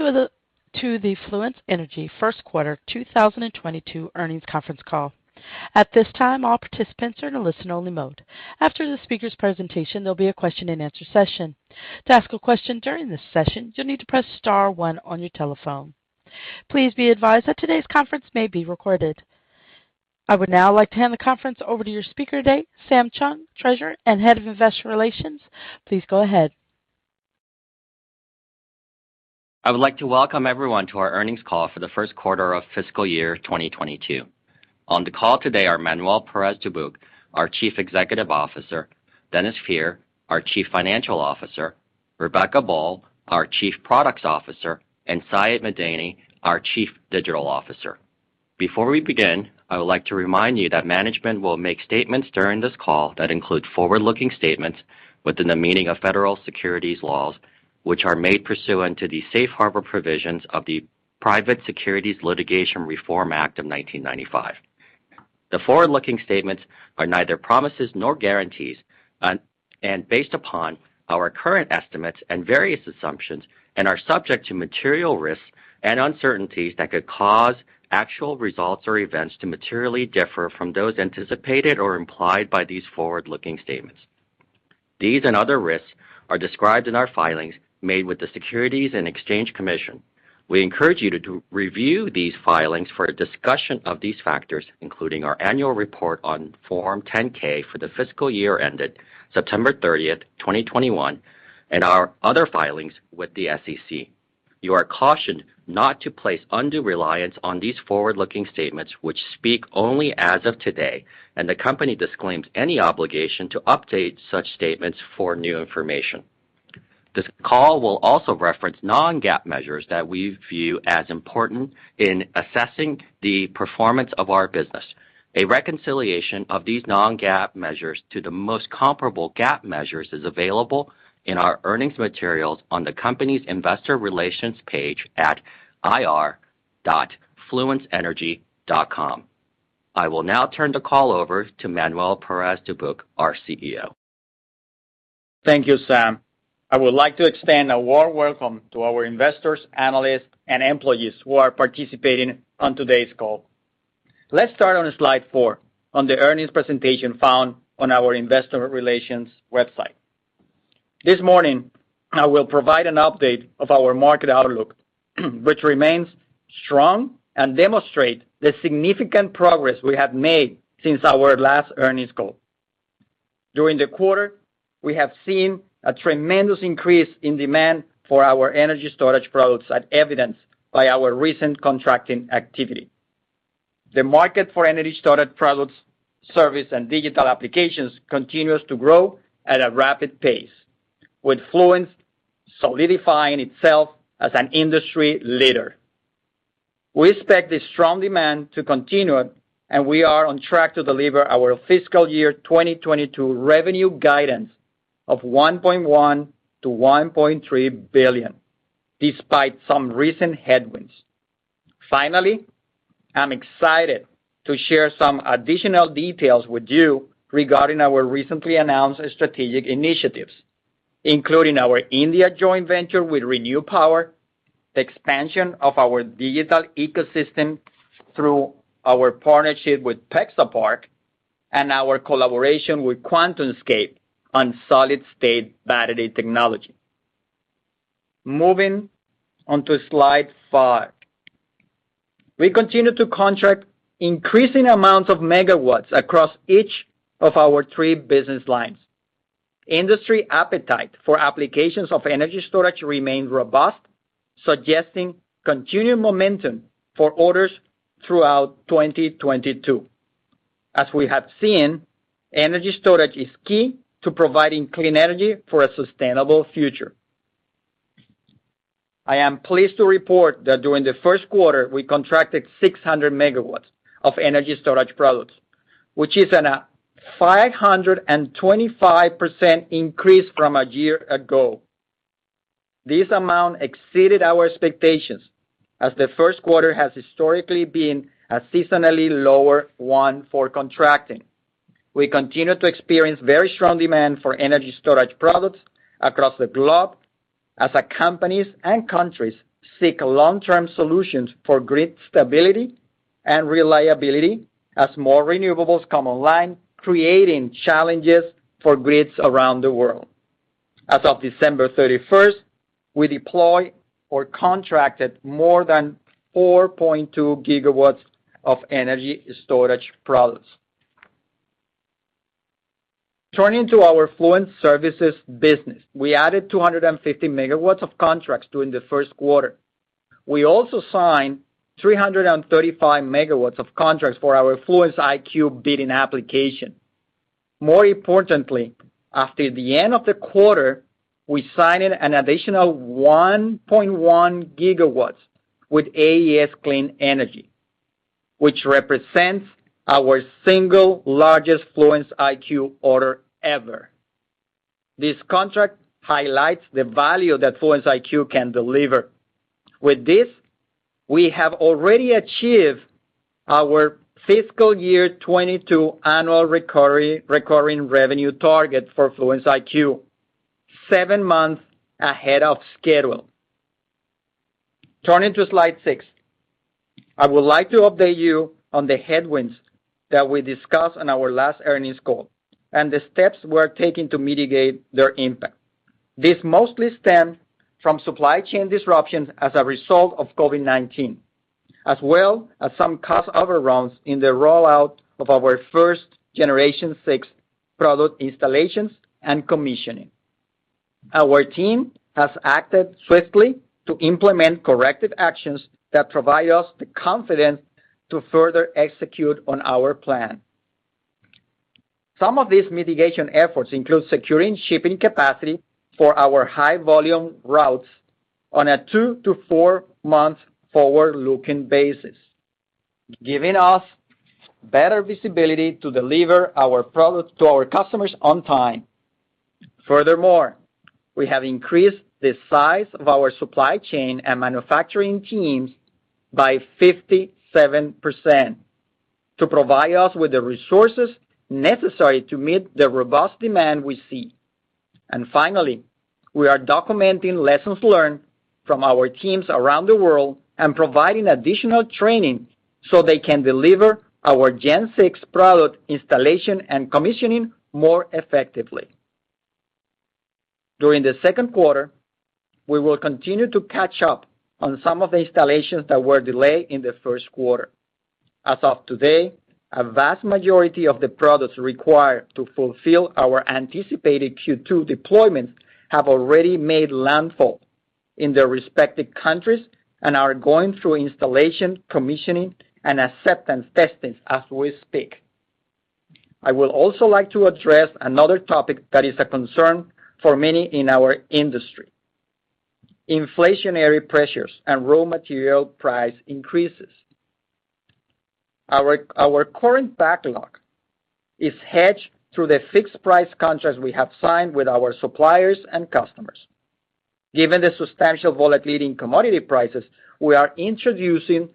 Welcome to the Fluence Energy first quarter 2022 earnings conference call. At this time, all participants are in a listen-only mode. After the speaker's presentation, there'll be a question and answer session. To ask a question during this session, you'll need to press star one on your telephone. Please be advised that today's conference may be recorded. I would now like to hand the conference over to your speaker today, Samuel Chong, Treasurer and Head of Investor Relations. Please go ahead. I would like to welcome everyone to our earnings call for the first quarter of fiscal year 2022. On the call today are Manuel Perez Dubuc, our Chief Executive Officer, Dennis Fehr, our Chief Financial Officer, Rebecca Boll, our Chief Product Officer, and Seyed Madaeni, our Chief Digital Officer. Before we begin, I would like to remind you that management will make statements during this call that include forward-looking statements within the meaning of Federal securities laws, which are made pursuant to the safe harbor provisions of the Private Securities Litigation Reform Act of 1995. The forward-looking statements are neither promises nor guarantees and based upon our current estimates and various assumptions and are subject to material risks and uncertainties that could cause actual results or events to materially differ from those anticipated or implied by these forward-looking statements. These and other risks are described in our filings made with the Securities and Exchange Commission. We encourage you to re-review these filings for a discussion of these factors, including our annual report on Form 10-K for the fiscal year ended September 30, 2021, and our other filings with the SEC. You are cautioned not to place undue reliance on these forward-looking statements which speak only as of today, and the company disclaims any obligation to update such statements for new information. This call will also reference Non-GAAP measures that we view as important in assessing the performance of our business. A reconciliation of these Non-GAAP measures to the most comparable GAAP measures is available in our earnings materials on the company's investor relations page at ir.fluenceenergy.com. I will now turn the call over to Manuel Perez Dubuc, our CEO. Thank you, Sam. I would like to extend a warm welcome to our investors, analysts, and employees who are participating on today's call. Let's start on slide four on the earnings presentation found on our investor relations website. This morning, I will provide an update of our market outlook, which remains strong and demonstrate the significant progress we have made since our last earnings call. During the quarter, we have seen a tremendous increase in demand for our energy storage products as evidenced by our recent contracting activity. The market for energy storage products, service, and digital applications continues to grow at a rapid pace, with Fluence solidifying itself as an industry leader. We expect this strong demand to continue, and we are on track to deliver our fiscal year 2022 revenue guidance of $1.1 billion-$1.3 billion, despite some recent headwinds. Finally, I'm excited to share some additional details with you regarding our recently announced strategic initiatives, including our India joint venture with ReNew Power, the expansion of our digital ecosystem through our partnership with Pexapark, and our collaboration with QuantumScape on solid-state battery technology. Moving on to slide five. We continue to contract increasing amounts of megawatts across each of our three business lines. Industry appetite for applications of energy storage remain robust, suggesting continued momentum for orders throughout 2022. As we have seen, energy storage is key to providing clean energy for a sustainable future. I am pleased to report that during the first quarter, we contracted 600 MW of energy storage products, which is a 525% increase from a year ago. This amount exceeded our expectations, as the first quarter has historically been a seasonally lower one for contracting. We continue to experience very strong demand for energy storage products across the globe as companies and countries seek long-term solutions for grid stability and reliability as more renewables come online, creating challenges for grids around the world. As of December 31, we deployed or contracted more than 4.2 GW of energy storage products. Turning to our Fluence services business. We added 250 MW of contracts during the first quarter. We also signed 335 MW of contracts for our Fluence IQ bidding application. More importantly, after the end of the quarter, we signed an additional 1.1 GW with AES Clean Energy, which represents our single largest Fluence IQ order ever. This contract highlights the value that Fluence IQ can deliver. With this, we have already achieved our fiscal year 2022 annual recurring revenue target for Fluence IQ 7 months ahead of schedule. Turning to slide six. I would like to update you on the headwinds that we discussed on our last earnings call and the steps we're taking to mitigate their impact. This mostly stemmed from supply chain disruptions as a result of COVID-19, as well as some cost overruns in the rollout of our first Gen6 product installations and commissioning. Our team has acted swiftly to implement corrective actions that provide us the confidence to further execute on our plan. Some of these mitigation efforts include securing shipping capacity for our high-volume routes on a two to four month forward-looking basis, giving us better visibility to deliver our product to our customers on time. Furthermore, we have increased the size of our supply chain and manufacturing teams by 57% to provide us with the resources necessary to meet the robust demand we see. Finally, we are documenting lessons learned from our teams around the world and providing additional training so they can deliver our Gen6 product installation and commissioning more effectively. During the second quarter, we will continue to catch up on some of the installations that were delayed in the first quarter. As of today, a vast majority of the products required to fulfill our anticipated Q2 deployments have already made landfall in their respective countries and are going through installation, commissioning, and acceptance testing as we speak. I would also like to address another topic that is a concern for many in our industry, inflationary pressures and raw material price increases. Our current backlog is hedged through the fixed price contracts we have signed with our suppliers and customers. Given the substantial volatility in commodity prices, we are introducing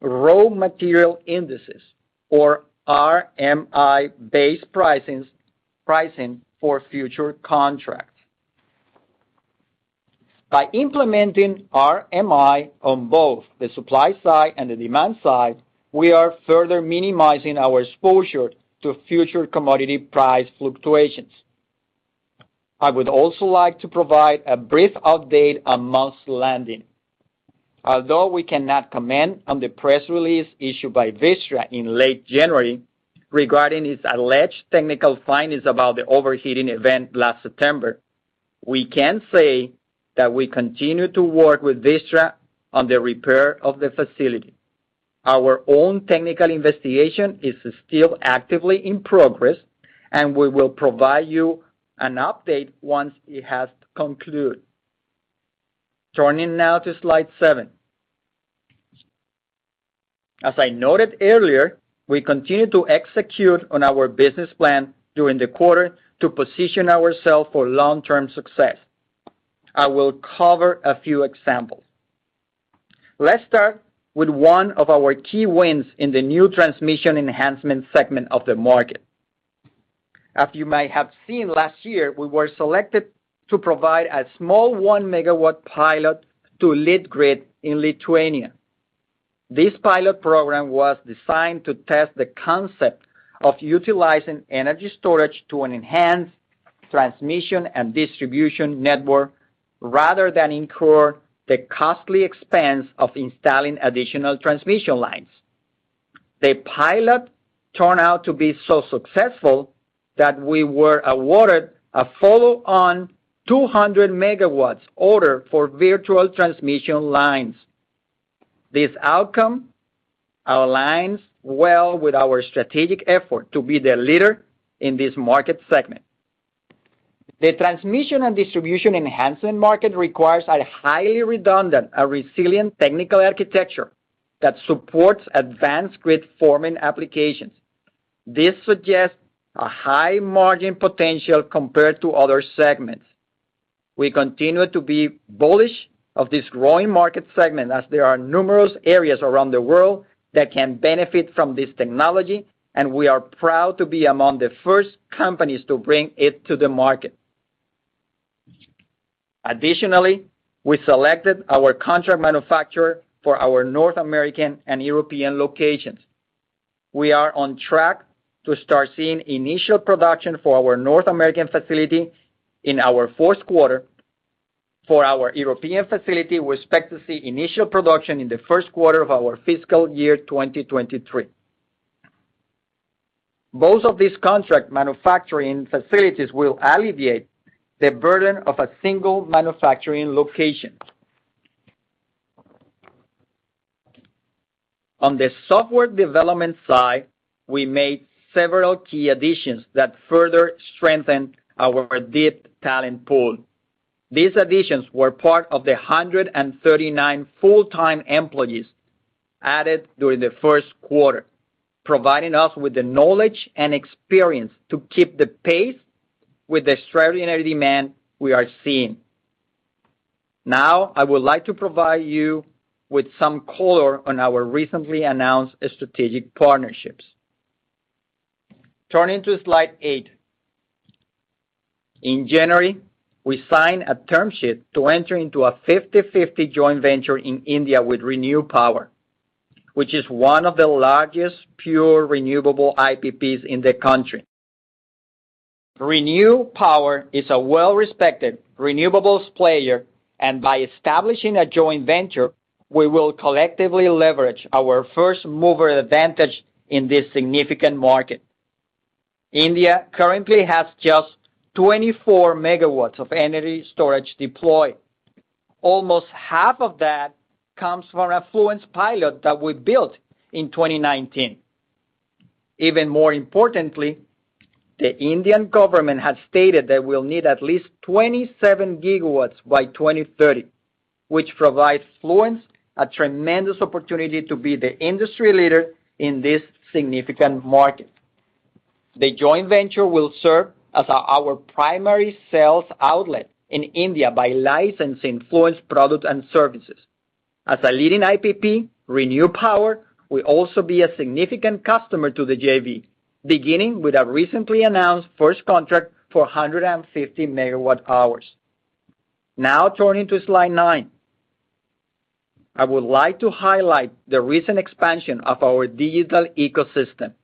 raw material indices, or RMI-based pricing for future contracts. By implementing RMI on both the supply side and the demand side, we are further minimizing our exposure to future commodity price fluctuations. I would also like to provide a brief update on Moss Landing. Although we cannot comment on the press release issued by Vistra in late January regarding its alleged technical findings about the overheating event last September, we can say that we continue to work with Vistra on the repair of the facility. Our own technical investigation is still actively in progress, and we will provide you an update once it has concluded. Turning now to slide seven. As I noted earlier, we continued to execute on our business plan during the quarter to position ourselves for long-term success. I will cover a few examples. Let's start with one of our key wins in the new transmission enhancement segment of the market. As you may have seen last year, we were selected to provide a small 1-MW pilot to Litgrid in Lithuania. This pilot program was designed to test the concept of utilizing energy storage to enhance transmission and distribution network, rather than incur the costly expense of installing additional transmission lines. The pilot turned out to be so successful that we were awarded a follow-on 200-MW order for virtual transmission lines. This outcome aligns well with our strategic effort to be the leader in this market segment. The transmission and distribution enhancement market requires a highly redundant and resilient technical architecture that supports advanced grid forming applications. This suggests a high margin potential compared to other segments. We continue to be bullish of this growing market segment as there are numerous areas around the world that can benefit from this technology, and we are proud to be among the first companies to bring it to the market. Additionally, we selected our contract manufacturer for our North American and European locations. We are on track to start seeing initial production for our North American facility in our fourth quarter. For our European facility, we expect to see initial production in the first quarter of our fiscal year 2023. Both of these contract manufacturing facilities will alleviate the burden of a single manufacturing location. On the software development side, we made several key additions that further strengthen our deep talent pool. These additions were part of the 139 full-time employees added during the first quarter, providing us with the knowledge and experience to keep the pace with the extraordinary demand we are seeing. Now, I would like to provide you with some color on our recently announced strategic partnerships. Turning to slide eight. In January, we signed a term sheet to enter into a 50/50 joint venture in India with ReNew Power, which is one of the largest pure renewable IPPs in the country. ReNew Power is a well-respected renewables player, and by establishing a joint venture, we will collectively leverage our first mover advantage in this significant market. India currently has just 24 MW of energy storage deployed. Almost half of that comes from a Fluence pilot that we built in 2019. Even more importantly, the Indian government has stated they will need at least 27 gigawatts by 2030, which provides Fluence a tremendous opportunity to be the industry leader in this significant market. The joint venture will serve as our primary sales outlet in India by licensing Fluence products and services. As a leading IPP, ReNew Power will also be a significant customer to the JV, beginning with a recently announced first contract for 150 MWh. Now turning to slide nine. I would like to highlight the recent expansion of our digital ecosystem.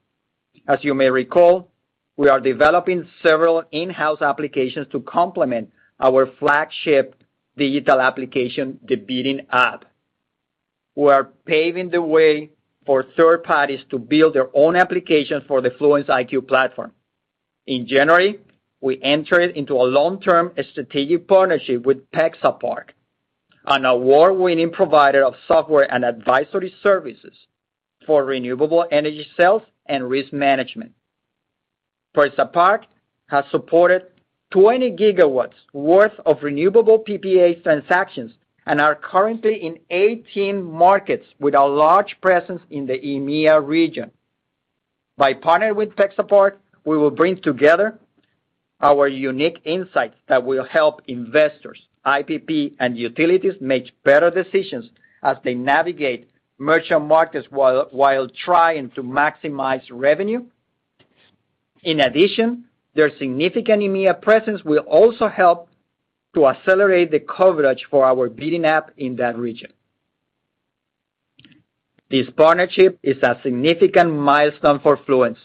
As you may recall, we are developing several in-house applications to complement our flagship digital application, Mosaic. We are paving the way for third parties to build their own applications for the Fluence IQ platform. In January, we entered into a long-term strategic partnership with Pexapark, an award-winning provider of software and advisory services for renewable energy sales and risk management. Pexapark has supported 20 gigawatts worth of renewable PPA transactions and are currently in 18 markets with a large presence in the EMEA region. By partnering with Pexapark, we will bring together our unique insights that will help investors, IPP, and utilities make better decisions as they navigate merchant markets while trying to maximize revenue. In addition, their significant EMEA presence will also help to accelerate the coverage for our Bidding app in that region. This partnership is a significant milestone for Fluence,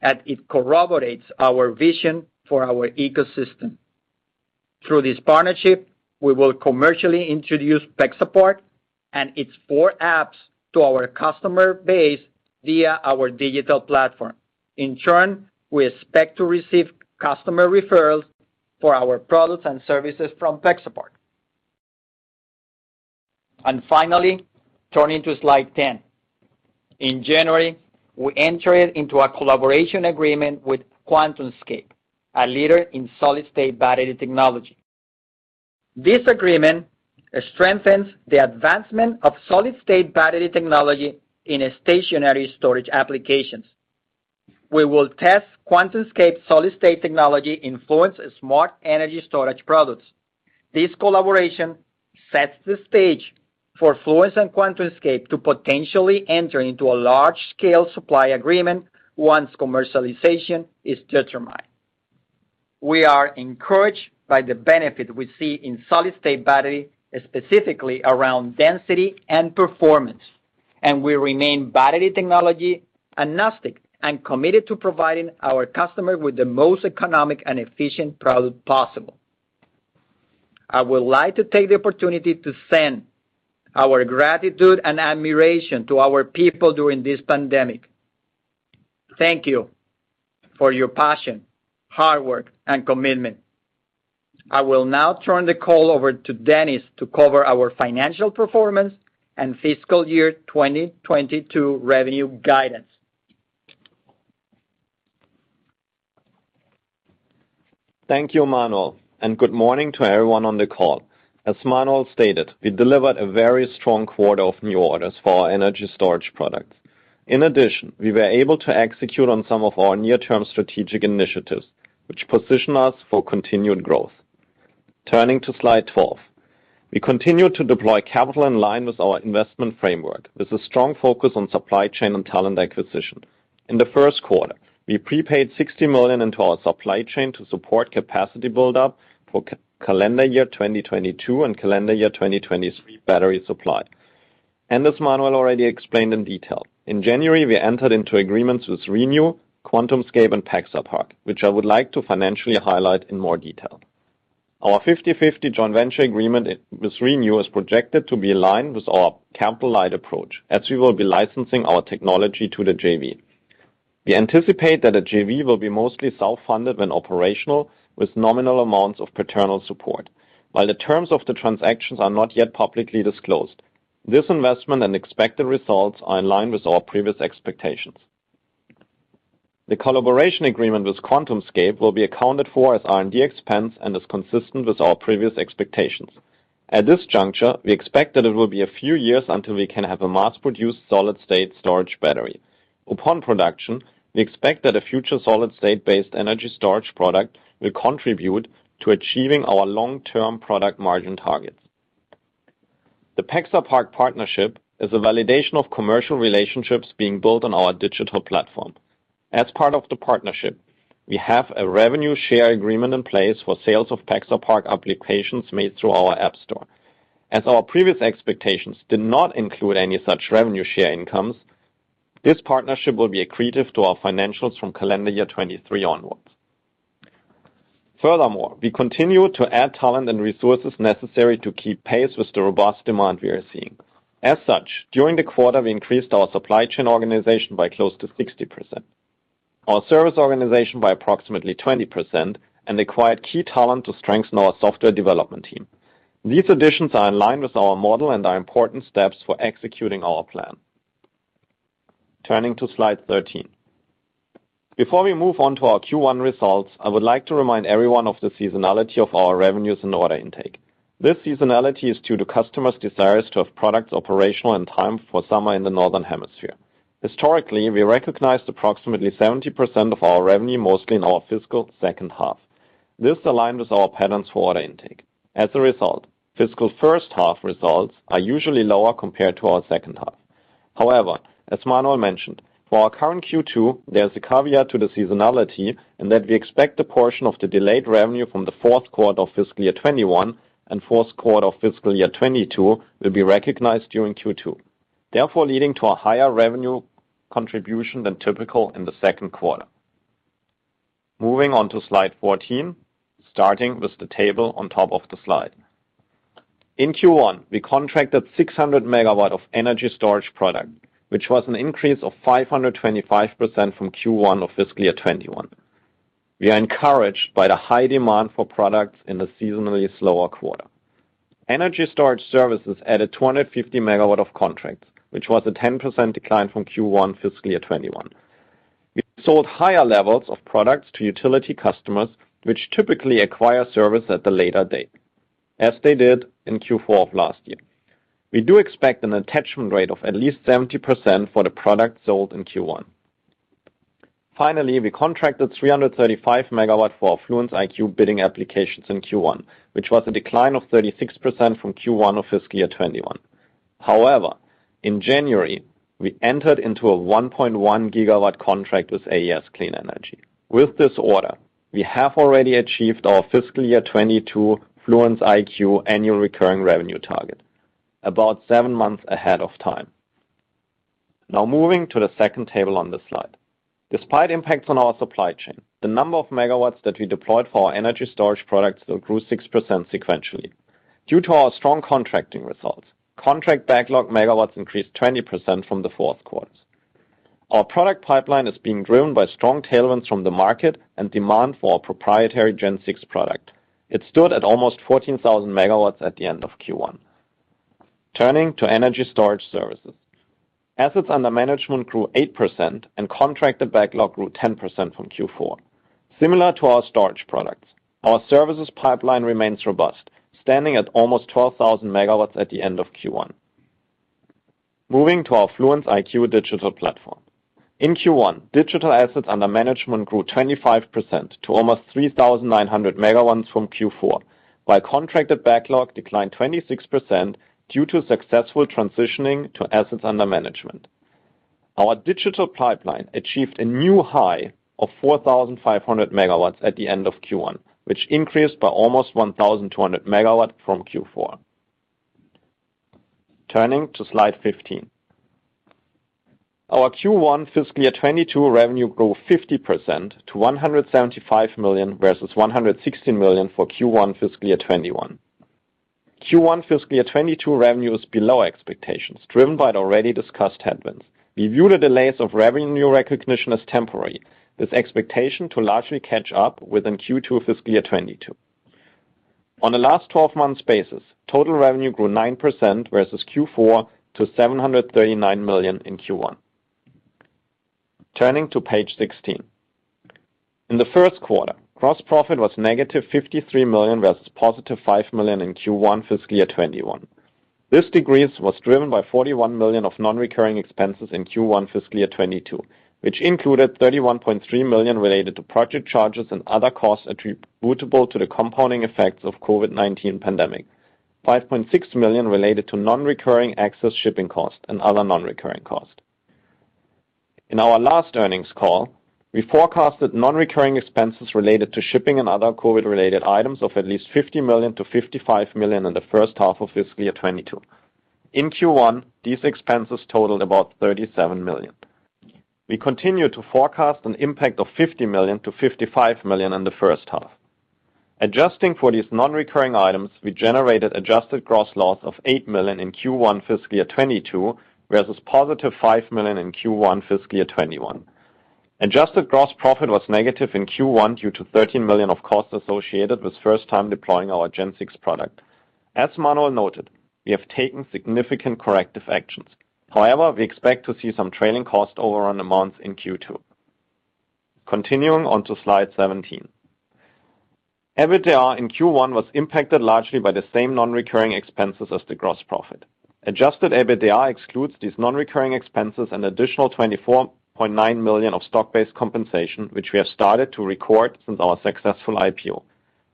as it corroborates our vision for our ecosystem. Through this partnership, we will commercially introduce Pexapark and its four apps to our customer base via our digital platform. In turn, we expect to receive customer referrals for our products and services from Pexapark. Finally, turning to slide 10. In January, we entered into a collaboration agreement with QuantumScape, a leader in solid-state battery technology. This agreement strengthens the advancement of solid-state battery technology in stationary storage applications. We will test QuantumScape's solid-state technology in Fluence smart energy storage products. This collaboration sets the stage for Fluence and QuantumScape to potentially enter into a large-scale supply agreement once commercialization is determined. We are encouraged by the benefit we see in solid-state battery, specifically around density and performance, and we remain battery technology agnostic and committed to providing our customers with the most economic and efficient product possible. I would like to take the opportunity to send our gratitude and admiration to our people during this pandemic. Thank you for your passion, hard work, and commitment. I will now turn the call over to Dennis to cover our financial performance and fiscal year 2022 revenue guidance. Thank you, Manuel, and good morning to everyone on the call. As Manuel stated, we delivered a very strong quarter of new orders for our energy storage products. In addition, we were able to execute on some of our near-term strategic initiatives, which position us for continued growth. Turning to slide 12. We continue to deploy capital in line with our investment framework, with a strong focus on supply chain and talent acquisition. In the first quarter, we prepaid $60 million into our supply chain to support capacity build-up for calendar year 2022 and calendar year 2023 battery supply. As Manuel already explained in detail, in January, we entered into agreements with ReNew, QuantumScape, and Pexapark, which I would like to financially highlight in more detail. Our 50/50 joint venture agreement with ReNew is projected to be aligned with our capital-light approach, as we will be licensing our technology to the JV. We anticipate that the JV will be mostly self-funded when operational, with nominal amounts of paternal support. While the terms of the transactions are not yet publicly disclosed, this investment and expected results are in line with our previous expectations. The collaboration agreement with QuantumScape will be accounted for as R&D expense and is consistent with our previous expectations. At this juncture, we expect that it will be a few years until we can have a mass-produced solid-state storage battery. Upon production, we expect that a future solid-state based energy storage product will contribute to achieving our long-term product margin targets. The Pexapark partnership is a validation of commercial relationships being built on our digital platform. As part of the partnership, we have a revenue share agreement in place for sales of Pexapark applications made through our app store. As our previous expectations did not include any such revenue share incomes, this partnership will be accretive to our financials from calendar year 2023 onwards. Furthermore, we continue to add talent and resources necessary to keep pace with the robust demand we are seeing. As such, during the quarter, we increased our supply chain organization by close to 60%, our service organization by approximately 20%, and acquired key talent to strengthen our software development team. These additions are in line with our model and are important steps for executing our plan. Turning to slide 13. Before we move on to our Q1 results, I would like to remind everyone of the seasonality of our revenues and order intake. This seasonality is due to customers' desires to have products operational in time for summer in the Northern Hemisphere. Historically, we recognized approximately 70% of our revenue, mostly in our fiscal second half. This aligned with our patterns for order intake. As a result, fiscal first half results are usually lower compared to our second half. However, as Manuel mentioned, for our current Q2, there's a caveat to the seasonality, and that we expect a portion of the delayed revenue from the fourth quarter of fiscal year 2021 and fourth quarter of fiscal year 2022 will be recognized during Q2, therefore leading to a higher revenue contribution than typical in the second quarter. Moving on to slide 14, starting with the table on top of the slide. In Q1, we contracted 600 MW of energy storage product, which was an increase of 525% from Q1 of FY 2021. We are encouraged by the high demand for products in a seasonally slower quarter. Energy storage services added 250 MW of contracts, which was a 10% decline from Q1 FY 2021. We sold higher levels of products to utility customers, which typically acquire service at a later date, as they did in Q4 of last year. We do expect an attachment rate of at least 70% for the product sold in Q1. Finally, we contracted 335 MW for Fluence IQ bidding applications in Q1, which was a decline of 36% from Q1 of FY 2021. However, in January, we entered into a 1.1 GW contract with AES Clean Energy. With this order, we have already achieved our fiscal year 2022 Fluence IQ annual recurring revenue target about seven months ahead of time. Now moving to the second table on the slide. Despite impacts on our supply chain, the number of megawatts that we deployed for our energy storage products grew 6% sequentially. Due to our strong contracting results, contract backlog megawatts increased 20% from the fourth quarter. Our product pipeline is being driven by strong tailwinds from the market and demand for our proprietary Gen6 product. It stood at almost 14,000 MW at the end of Q1. Turning to energy storage services. Assets under management grew 8% and contracted backlog grew 10% from Q4. Similar to our storage products, our services pipeline remains robust, standing at almost 12,000 MW at the end of Q1. Moving to our Fluence IQ digital platform. In Q1, digital assets under management grew 25% to almost 3,900 MW from Q4, while contracted backlog declined 26% due to successful transitioning to assets under management. Our digital pipeline achieved a new high of 4,500 MW at the end of Q1, which increased by almost 1,200 MW from Q4. Turning to slide 15. Our Q1 fiscal year 2022 revenue grew 50% to $175 million, versus $160 million for Q1 fiscal year 2021. Q1 fiscal year 2022 revenue is below expectations, driven by the already discussed headwinds. We view the delays of revenue recognition as temporary, with expectation to largely catch up within Q2 fiscal year 2022. On a last twelve months basis, total revenue grew 9% versus Q4 to $739 million in Q1. Turning to page 16. In the first quarter, gross profit was -$53 million vs. $5 million in Q1 fiscal year 2021. This decrease was driven by $41 million of non-recurring expenses in Q1 fiscal year 2022, which included $31.3 million related to project charges and other costs attributable to the compounding effects of COVID-19 pandemic, $5.6 million related to non-recurring excess shipping costs and other non-recurring costs. In our last earnings call, we forecasted non-recurring expenses related to shipping and other COVID-related items of at least $50 million-$55 million in the first half of fiscal year 2022. In Q1, these expenses totaled about $37 million. We continue to forecast an impact of $50 million-$55 million in the first half. Adjusting for these non-recurring items, we generated adjusted gross loss of $8 million in Q1 FY 2022, versus positive $5 million in Q1 FY 2021. Adjusted gross profit was negative in Q1 due to $13 million of costs associated with first time deploying our Gen6 product. As Manuel noted, we have taken significant corrective actions. However, we expect to see some trailing cost overrun on demand in Q2. Continuing on to slide 17. EBITDA in Q1 was impacted largely by the same non-recurring expenses as the gross profit. Adjusted EBITDA excludes these non-recurring expenses and additional $24.9 million of stock-based compensation, which we have started to record since our successful IPO.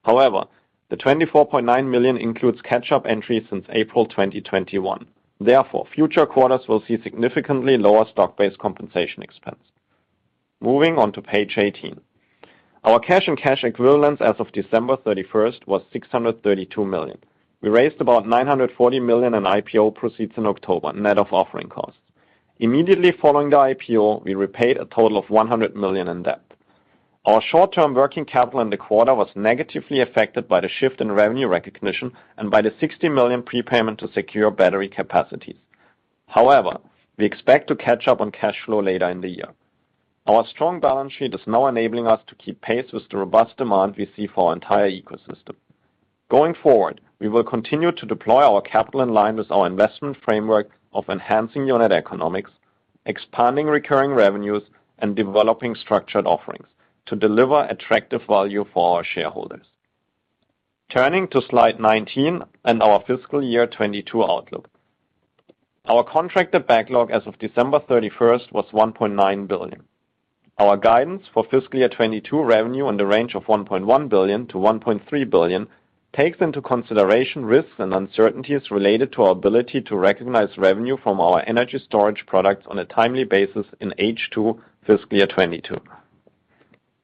However, the $24.9 million includes catch-up entries since April 2021. Therefore, future quarters will see significantly lower stock-based compensation expense. Moving on to page 18. Our cash and cash equivalents as of December 31 was $632 million. We raised about $940 million in IPO proceeds in October, net of offering costs. Immediately following the IPO, we repaid a total of $100 million in debt. Our short-term working capital in the quarter was negatively affected by the shift in revenue recognition and by the $60 million prepayment to secure battery capacities. However, we expect to catch up on cash flow later in the year. Our strong balance sheet is now enabling us to keep pace with the robust demand we see for our entire ecosystem. Going forward, we will continue to deploy our capital in line with our investment framework of enhancing unit economics, expanding recurring revenues, and developing structured offerings to deliver attractive value for our shareholders. Turning to slide 19 and our FY 2022 outlook. Our contracted backlog as of December 31 was $1.9 billion. Our guidance for FY 2022 revenue in the range of $1.1 billion-$1.3 billion takes into consideration risks and uncertainties related to our ability to recognize revenue from our energy storage products on a timely basis in H2 FY 2022.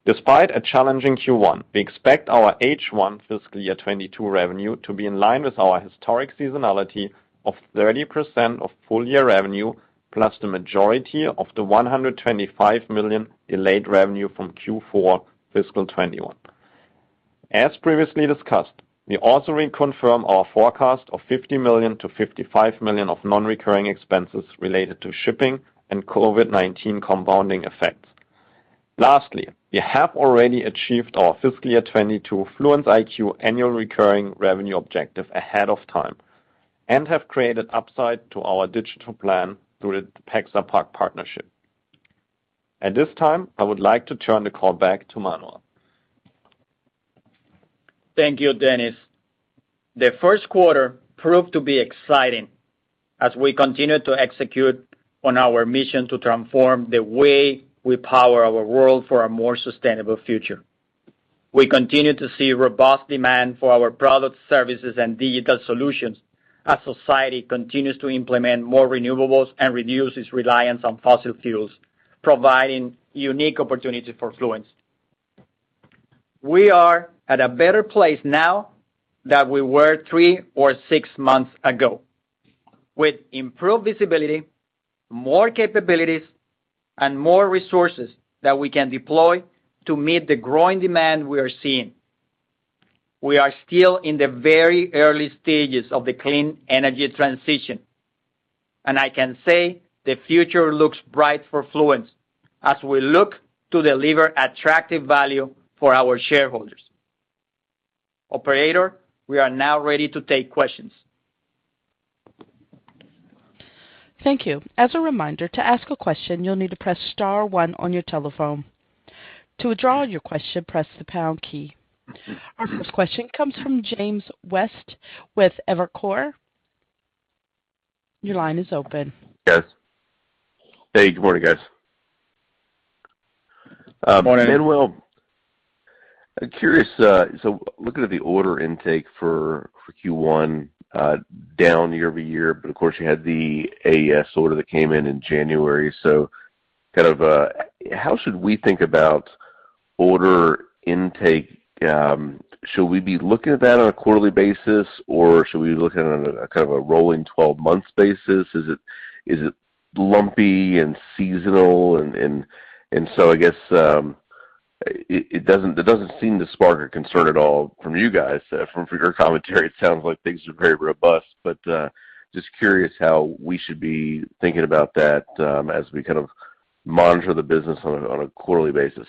Despite a challenging Q1, we expect our H1 FY 2022 revenue to be in line with our historic seasonality of 30% of full-year revenue, plus the majority of the $125 million delayed revenue from Q4 FY 2021. As previously discussed, we also reconfirm our forecast of $50 million-$55 million of non-recurring expenses related to shipping and COVID-19 compounding effects. Lastly, we have already achieved our fiscal year 2022 Fluence IQ annual recurring revenue objective ahead of time and have created upside to our digital plan through the Pexapark partnership. At this time, I would like to turn the call back to Manuel. Thank you, Dennis. The first quarter proved to be exciting as we continue to execute on our mission to transform the way we power our world for a more sustainable future. We continue to see robust demand for our products, services, and digital solutions as society continues to implement more renewables and reduce its reliance on fossil fuels, providing unique opportunities for Fluence. We are at a better place now than we were three or six months ago, with improved visibility, more capabilities, and more resources that we can deploy to meet the growing demand we are seeing. We are still in the very early stages of the clean energy transition, and I can say the future looks bright for Fluence as we look to deliver attractive value for our shareholders. Operator, we are now ready to take questions. Thank you. As a reminder, to ask a question, you'll need to press star one on your telephone. To withdraw your question, press the pound key. Our first question comes from James West with Evercore. Your line is open. Yes. Hey, good morning, guys. Good morning. Manuel, I'm curious, so looking at the order intake for Q1, down year-over-year, but of course, you had the AES order that came in in January. How should we think about order intake? Should we be looking at that on a quarterly basis, or should we look at it on a kind of rolling twelve months basis? Is it lumpy and seasonal, and so I guess it doesn't seem to spark a concern at all from you guys. From your commentary, it sounds like things are very robust. Just curious how we should be thinking about that, as we kind of monitor the business on a quarterly basis.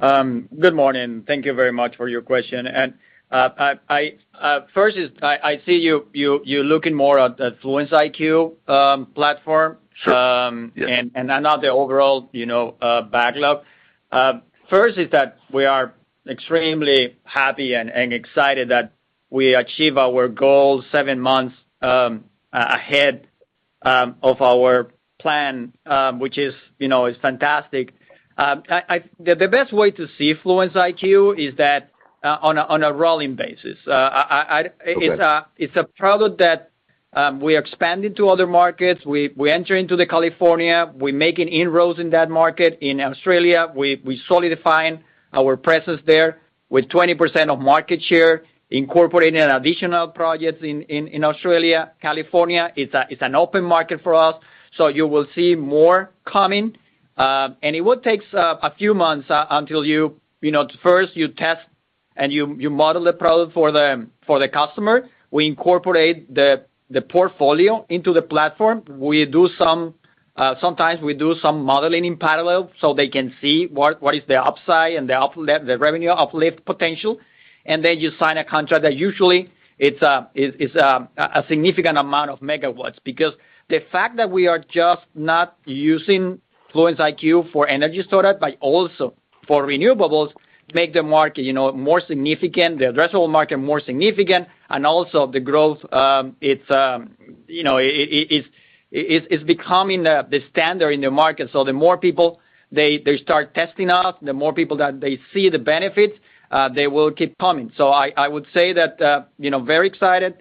Good morning. Thank you very much for your question. I first see you're looking more at the Fluence IQ platform- Sure. Yeah not the overall, you know, backlog. First is that we are extremely happy and excited that we achieved our goals 7 months ahead of our plan, which, you know, is fantastic. The best way to see Fluence IQ is that on a rolling basis. I Okay. It's a product that we expanded to other markets. We enter California. We're making inroads in that market. In Australia, we solidified our presence there with 20% of market share, incorporating additional projects in Australia, California. It's an open market for us, so you will see more coming. It would take a few months until you know, first you test and you model the product for the customer. We incorporate the portfolio into the platform. We do some. Sometimes we do some modeling in parallel so they can see what is the upside and the uplift, the revenue uplift potential. You sign a contract that usually it's a significant amount of megawatts. Because the fact that we are just not using Fluence IQ for energy storage, but also for renewables, make the market, you know, more significant, the addressable market more significant, and also the growth, it's you know it's becoming the standard in the market. The more people they start testing us, the more people that they see the benefits, they will keep coming. I would say that, you know, very excited,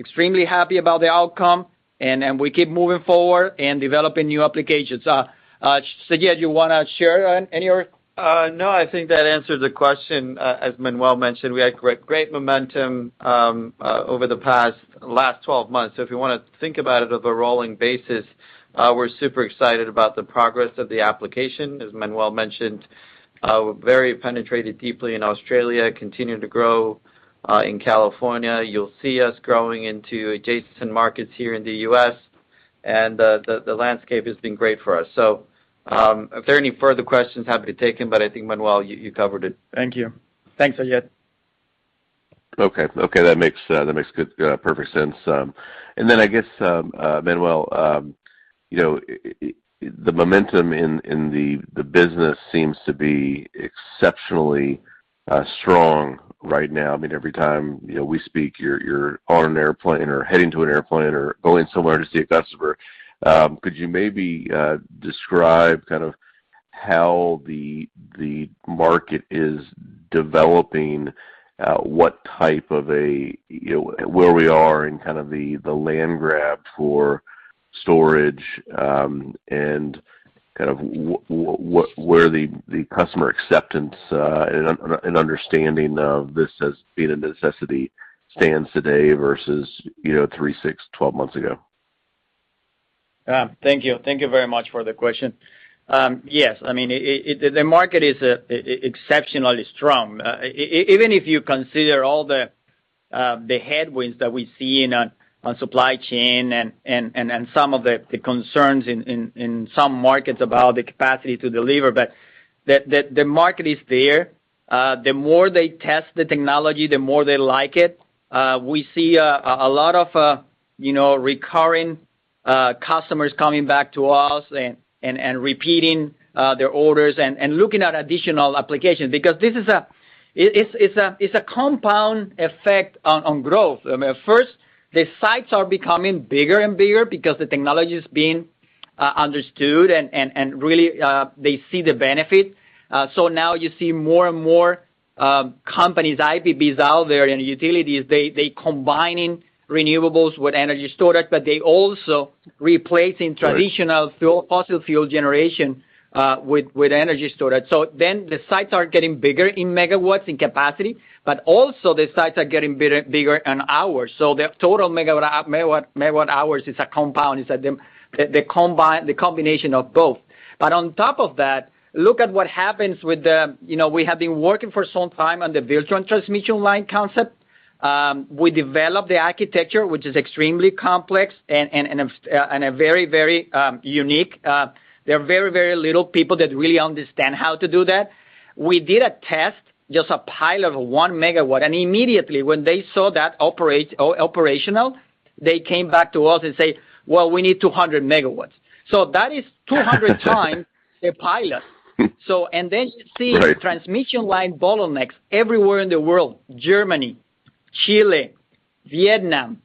extremely happy about the outcome and we keep moving forward and developing new applications. Seyed, you wanna share any other- No, I think that answers the question. As Manuel mentioned, we had great momentum over the past 12 months. If you want to think about it on a rolling basis, we're super excited about the progress of the application. As Manuel mentioned, we're very penetrated deeply in Australia, continuing to grow in California. You'll see us growing into adjacent markets here in the U.S., and the landscape has been great for us. If there are any further questions, happy to take them, but I think, Manuel, you covered it. Thank you. Thanks, Seyed. Okay. That makes good, perfect sense. Then I guess, Manuel, you know, the momentum in the business seems to be exceptionally strong right now. I mean, every time, you know, we speak, you're on an airplane or heading to an airplane or going somewhere to see a customer. Could you maybe describe kind of how the market is developing, what type of, you know, where we are in kind of the land grab for storage, and kind of where the customer acceptance and understanding of this as being a necessity stands today versus, you know, three, six, 12 months ago? Thank you. Thank you very much for the question. Yes, I mean, the market is exceptionally strong. Even if you consider all the headwinds that we see in supply chain and some of the concerns in some markets about the capacity to deliver. The market is there. The more they test the technology, the more they like it. We see a lot of, you know, recurring customers coming back to us and repeating their orders and looking at additional applications. Because it's a compound effect on growth. I mean, first, the sites are becoming bigger and bigger because the technology is being understood and really they see the benefit. Now you see more and more companies, IPPs out there and utilities, they combining renewables with energy storage, but they also replacing Right traditional fuel, fossil fuel generation, with energy storage. The sites are getting bigger in megawatts, in capacity, but also the sites are getting bigger in hours. The total megawatt hours is a compound. It's the combination of both. On top of that, look at what happens with the, you know, we have been working for some time on the virtual transmission line concept. We developed the architecture, which is extremely complex and very unique. There are very little people that really understand how to do that. We did a test, just a pilot of 1 MW, and immediately when they saw that operational, they came back to us and say, "Well, we need 200 MW." That is 200x the pilot. So and then you see. Right Transmission line bottlenecks everywhere in the world, Germany, Chile, Vietnam.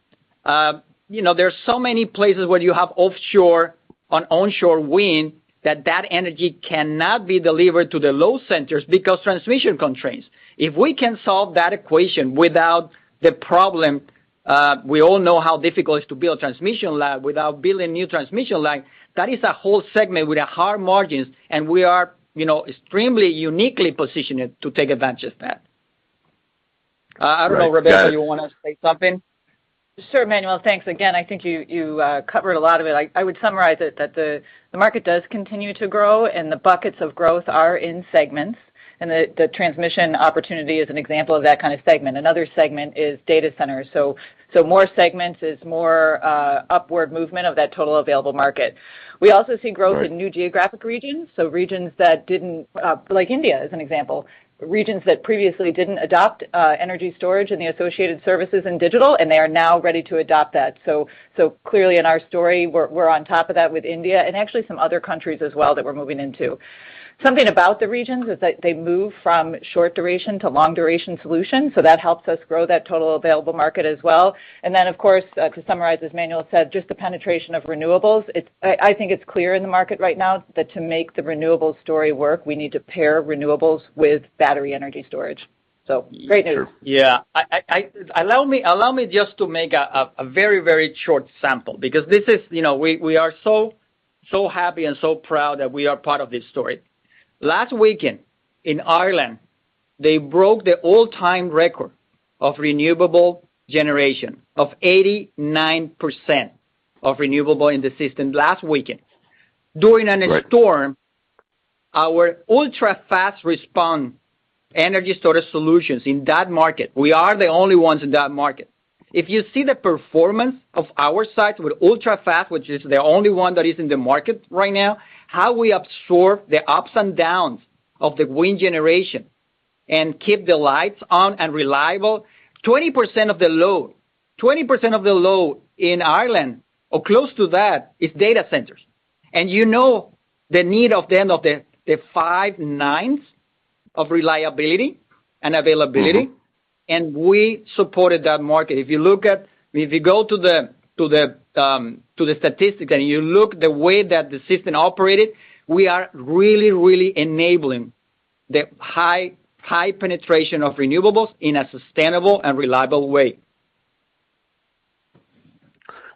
You know, there's so many places where you have offshore and onshore wind that energy cannot be delivered to the load centers because transmission constraints. If we can solve that equation without the problem, we all know how difficult it is to build transmission line, without building new transmission line, that is a whole segment with a high margins, and we are, you know, extremely uniquely positioned to take advantage of that. Right. I don't know, Rebecca, you wanna say something? Sure, Manuel. Thanks again. I think you covered a lot of it. I would summarize it that the market does continue to grow and the buckets of growth are in segments, and the transmission opportunity is an example of that kind of segment. Another segment is data centers. More segments is more upward movement of that total available market. We also see growth. Right In new geographic regions that didn't, like India, as an example. Regions that previously didn't adopt, energy storage and the associated services in digital, and they are now ready to adopt that. Clearly in our story, we're on top of that with India and actually some other countries as well that we're moving into. Something about the regions is that they move from short-duration to long-duration solutions, so that helps us grow that total available market as well. Of course, to summarize, as Manuel said, just the penetration of renewables. I think it's clear in the market right now that to make the renewables story work, we need to pair renewables with battery energy storage. Great news. Sure. Allow me just to make a very short sample, because we are so happy and so proud that we are part of this story. Last weekend in Ireland, they broke the all-time record of renewable generation of 89% renewable in the system last weekend during an- Right Our ultra-fast response energy storage solutions in that market. We are the only ones in that market. If you see the performance of our sites with ultra-fast, which is the only one that is in the market right now, how we absorb the ups and downs of the wind generation and keep the lights on and reliable. 20% of the load in Ireland or close to that is data centers. You know the need for the five nines of reliability and availability. Mm-hmm. We supported that market. If you go to the statistic, and you look the way that the system operated, we are really enabling the high penetration of renewables in a sustainable and reliable way.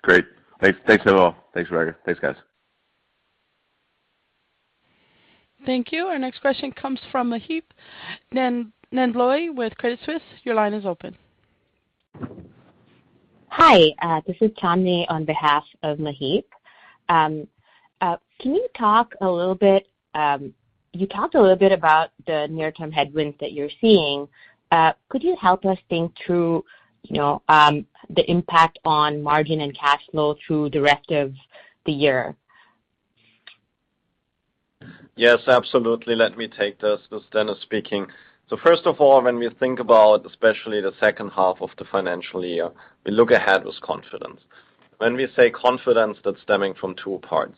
Great. Thanks. Thanks a lot. Thanks, Manuel. Thanks, guys. Thank you. Our next question comes from Maheep Mandloi with Credit Suisse. Your line is open. Hi. This is Chandni on behalf of Maheep. You talked a little bit about the near-term headwinds that you're seeing. Could you help us think through, you know, the impact on margin and cash flow through the rest of the year? Yes, absolutely. Let me take this. This is Dennis speaking. First of all, when we think about especially the second half of the financial year, we look ahead with confidence. When we say confidence, that's stemming from two parts.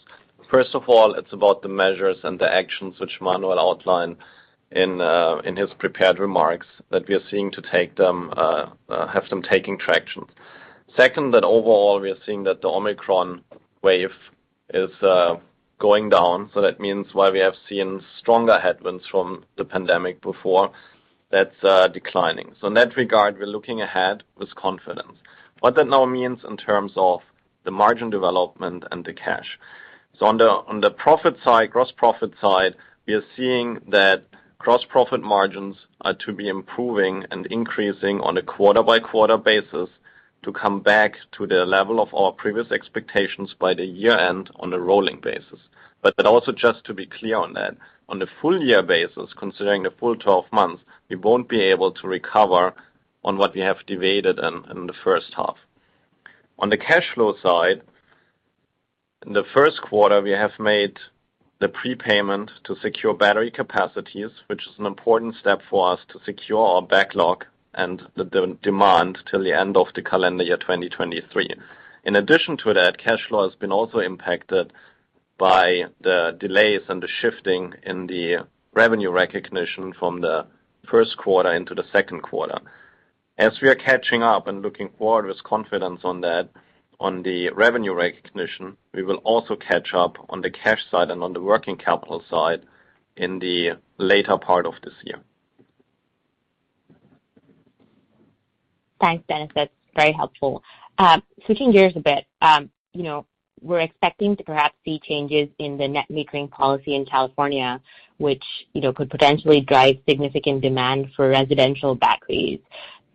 First of all, it's about the measures and the actions which Manuel outlined in his prepared remarks that we are seeing them taking traction. Second, that overall, we are seeing that the Omicron wave is going down, so that means while we have seen stronger headwinds from the pandemic before, that's declining. In that regard, we're looking ahead with confidence. What that now means in terms of the margin development and the cash. On the profit side, gross profit side, we are seeing that gross profit margins are to be improving and increasing on a quarter-by-quarter basis to come back to the level of our previous expectations by the year-end on a rolling basis. Also just to be clear on that, on the full year basis, considering the full 12 months, we won't be able to recover on what we have deviated in the first half. On the cash flow side, in the first quarter, we have made the prepayment to secure battery capacities, which is an important step for us to secure our backlog and the demand till the end of the calendar year 2023. In addition to that, cash flow has been also impacted by the delays and the shifting in the revenue recognition from the first quarter into the second quarter. As we are catching up and looking forward with confidence on that, on the revenue recognition, we will also catch up on the cash side and on the working capital side in the later part of this year. Thanks, Dennis. That's very helpful. Switching gears a bit, you know, we're expecting to perhaps see changes in the net metering policy in California, which, you know, could potentially drive significant demand for residential batteries.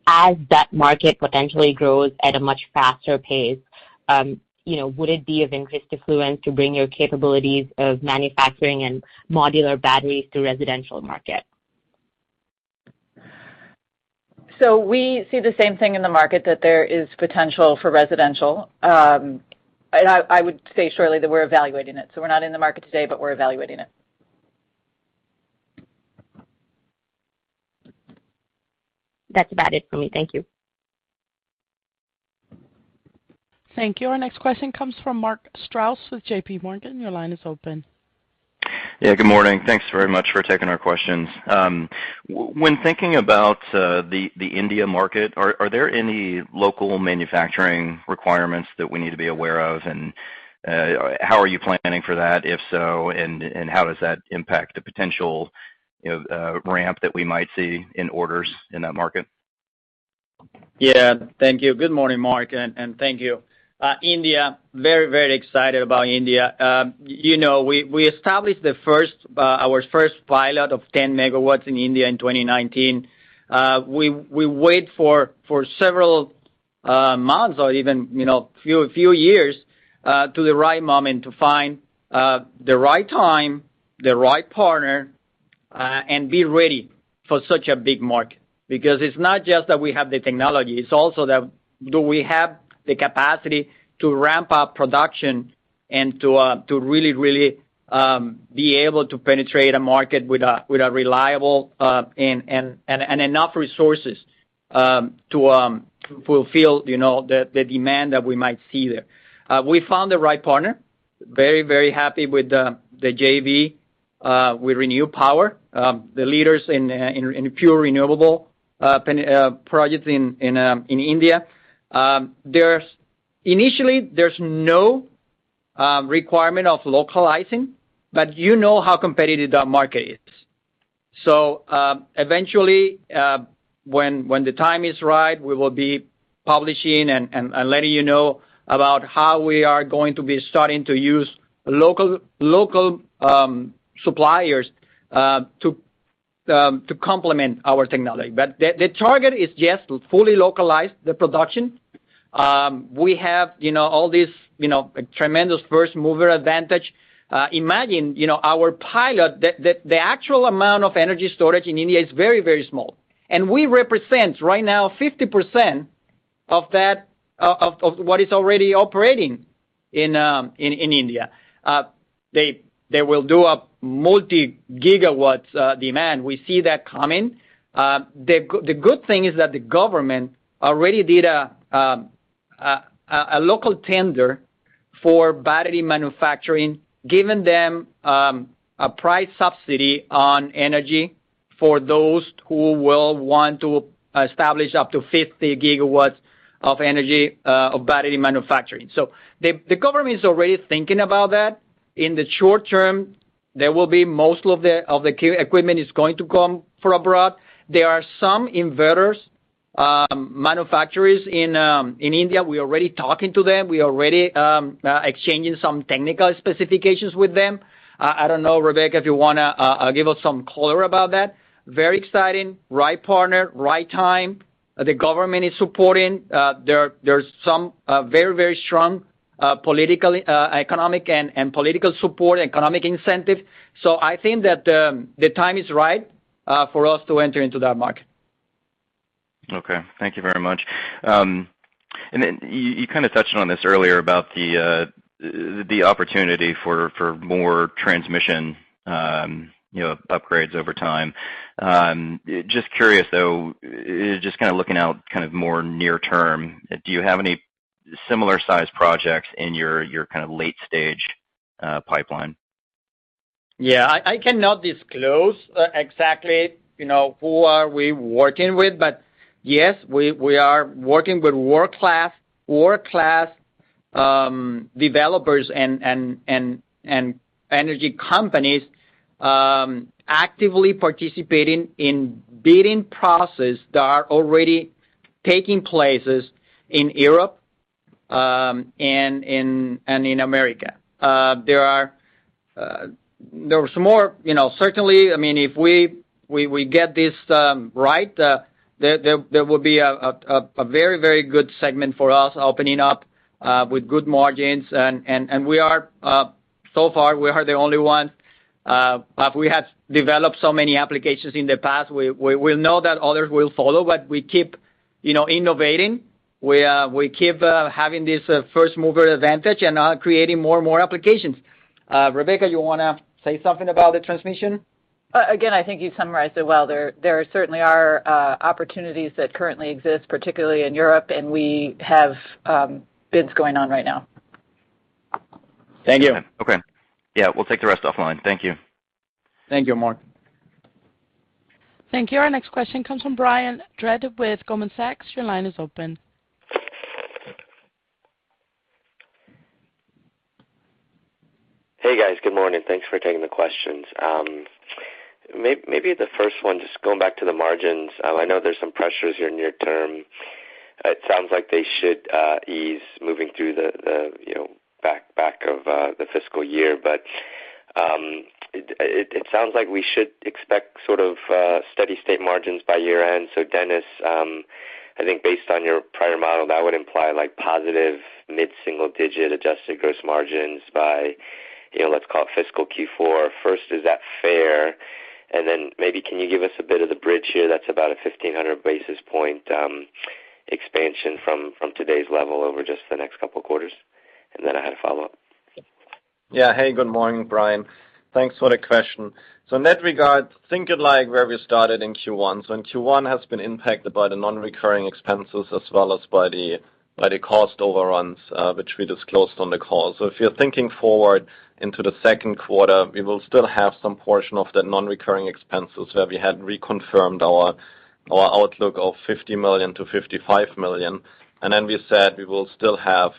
As that market potentially grows at a much faster pace, you know, would it be of interest to Fluence to bring your capabilities of manufacturing and modular batteries to residential market? We see the same thing in the market that there is potential for residential. I would say surely that we're evaluating it. We're not in the market today, but we're evaluating it. That's about it for me. Thank you. Thank you. Our next question comes from Mark Strouse with JPMorgan. Your line is open. Yeah, good morning. Thanks very much for taking our questions. When thinking about the India market, are there any local manufacturing requirements that we need to be aware of? How are you planning for that? If so, and how does that impact the potential, you know, ramp that we might see in orders in that market? Yeah. Thank you. Good morning, Mark, and thank you. India. Very excited about India. You know, we established our first pilot of 10 MW in India in 2019. We waited for several months or even, you know, few years to the right moment to find the right time, the right partner, and be ready for such a big market. Because it's not just that we have the technology, it's also that do we have the capacity to ramp up production and to really be able to penetrate a market with a reliable and enough resources to fulfill, you know, the demand that we might see there. We found the right partner. Very, very happy with the JV with ReNew Power, the leaders in pure renewable penetration projects in India. Initially, there's no requirement of localizing, but you know how competitive that market is. Eventually, when the time is right, we will be publishing and letting you know about how we are going to be starting to use local suppliers to complement our technology. The target is just to fully localize the production. We have, you know, all these, you know, tremendous first mover advantage. Imagine, you know, our pilot, the actual amount of energy storage in India is very, very small. We represent right now 50% of what is already operating in India. They will do a multi-GW demand. We see that coming. The good thing is that the government already did a local tender for battery manufacturing, giving them a price subsidy on energy for those who will want to establish up to 50 GW of energy of battery manufacturing. The government is already thinking about that. In the short term, most of the equipment is going to come from abroad. There are some investors, manufacturers in India, we're already talking to them. We're already exchanging some technical specifications with them. I don't know, Rebecca, if you wanna give us some color about that. Very exciting. Right partner, right time. The government is supporting. There's some very strong economic and political support, economic incentive. I think that the time is right for us to enter into that market. Okay, thank you very much. You kinda touched on this earlier about the opportunity for more transmission, you know, upgrades over time. Just curious though, just kinda looking out kind of more near term, do you have any similar-sized projects in your kind of late-stage pipeline? Yeah. I cannot disclose exactly, you know, who we are working with, but yes, we are working with world-class developers and energy companies actively participating in bidding processes that are already taking place in Europe and in America. There was more, you know, certainly, I mean, if we get this right, there will be a very good segment for us opening up with good margins. We are so far the only one, but we have developed so many applications in the past. We know that others will follow, but we keep, you know, innovating. We keep having this first-mover advantage and creating more and more applications. Rebecca, you wanna say something about the transmission? Again, I think you summarized it well. There certainly are opportunities that currently exist, particularly in Europe, and we have bids going on right now. Thank you. Okay. Yeah, we'll take the rest offline. Thank you. Thank you, Mark. Thank you. Our next question comes from Brian Lee with Goldman Sachs. Your line is open. Hey, guys. Good morning. Thanks for taking the questions. Maybe the first one, just going back to the margins. I know there's some pressures here near term. It sounds like they should ease moving through the, you know, back of the fiscal year. It sounds like we should expect sort of steady-state margins by year-end. Dennis, I think based on your prior model, that would imply like positive mid-single digit adjusted gross margins by, you know, let's call it fiscal Q4. First, is that fair? Maybe, can you give us a bit of the bridge here that's about a 1,500 basis point expansion from today's level over just the next couple of quarters? I had a follow-up. Yeah. Hey, good morning, Brian. Thanks for the question. In that regard, think it like where we started in Q1. In Q1 has been impacted by the non-recurring expenses as well as by the cost overruns, which we disclosed on the call. If you're thinking forward into the second quarter, we will still have some portion of the non-recurring expenses where we had reconfirmed our outlook of $50 million-$55 million. Then we said we will still have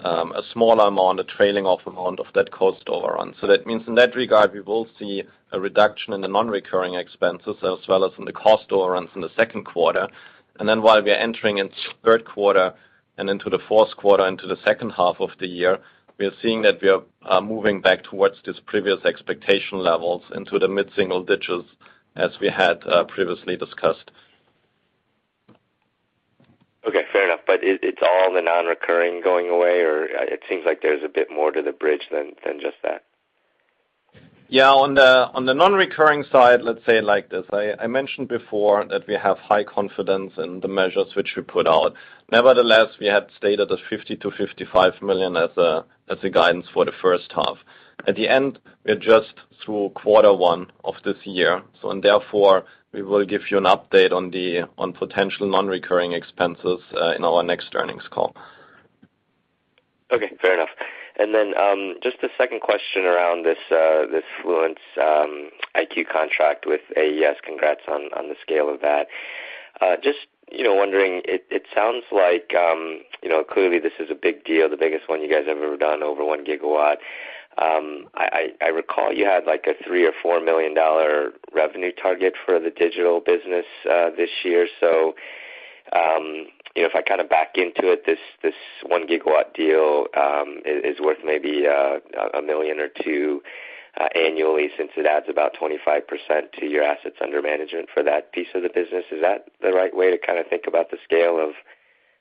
a small amount, a trailing off amount of that cost overrun. That means in that regard, we will see a reduction in the non-recurring expenses as well as in the cost overruns in the second quarter. While we are entering the third quarter and into the fourth quarter into the second half of the year, we are seeing that we are moving back towards these previous expectation levels into the mid-single digits as we had previously discussed. Okay, fair enough. It's all the non-recurring going away, or it seems like there's a bit more to the bridge than just that. Yeah. On the non-recurring side, let's say it like this. I mentioned before that we have high confidence in the measures which we put out. Nevertheless, we had stated that $50-$55 million as a guidance for the first half. At the end, we're just through quarter one of this year, therefore, we will give you an update on potential non-recurring expenses in our next earnings call. Okay, fair enough. Just a second question around this Fluence IQ contract with AES. Congrats on the scale of that. Just wondering, it sounds like you know, clearly this is a big deal, the biggest one you guys have ever done, over 1 GW. I recall you had like a $3-$4 million revenue target for the digital business this year. You know, if I kind of back into it, this 1 GW deal is worth maybe a $1-$2 million annually since it adds about 25% to your assets under management for that piece of the business. Is that the right way to kinda think about the scale of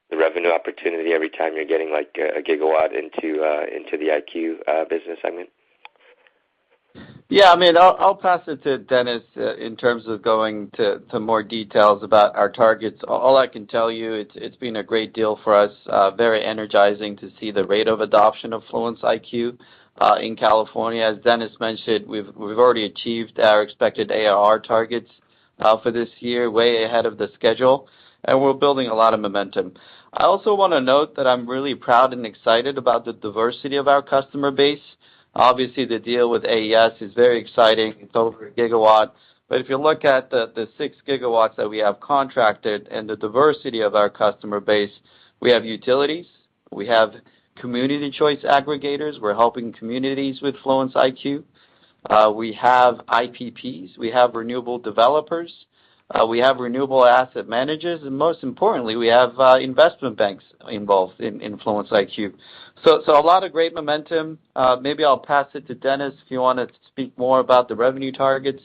the revenue opportunity every time you're getting, like, a gigawatt into the IQ business, I mean? I mean, I'll pass it to Dennis in terms of going to more details about our targets. All I can tell you, it's been a great deal for us, very energizing to see the rate of adoption of Fluence IQ in California. As Dennis mentioned, we've already achieved our expected ARR targets for this year, way ahead of the schedule, and we're building a lot of momentum. I also wanna note that I'm really proud and excited about the diversity of our customer base. Obviously, the deal with AES is very exciting. It's over 1 GW. If you look at the 6 GW that we have contracted and the diversity of our customer base, we have utilities, we have community choice aggregators. We're helping communities with Fluence IQ. We have IPPs. We have renewable developers. We have renewable asset managers, and most importantly, we have investment banks involved in Fluence IQ. A lot of great momentum. Maybe I'll pass it to Dennis if you wanna speak more about the revenue targets.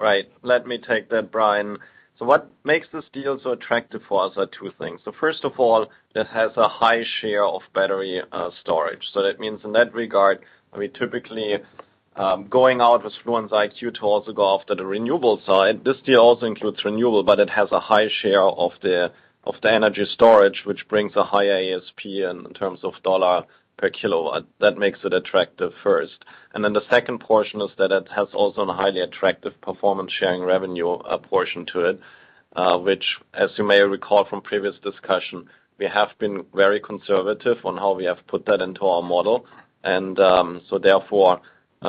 Right. Let me take that, Brian. What makes this deal so attractive for us are two things. First of all, it has a high share of battery storage. That means in that regard, I mean, typically, going out with Fluence IQ to also go after the renewable side, this deal also includes renewable, but it has a high share of the energy storage, which brings a high ASP in terms of dollar per kilowatt. That makes it attractive first. Then the second portion is that it has also a highly attractive performance sharing revenue portion to it, which as you may recall from previous discussion, we have been very conservative on how we have put that into our model. Therefore,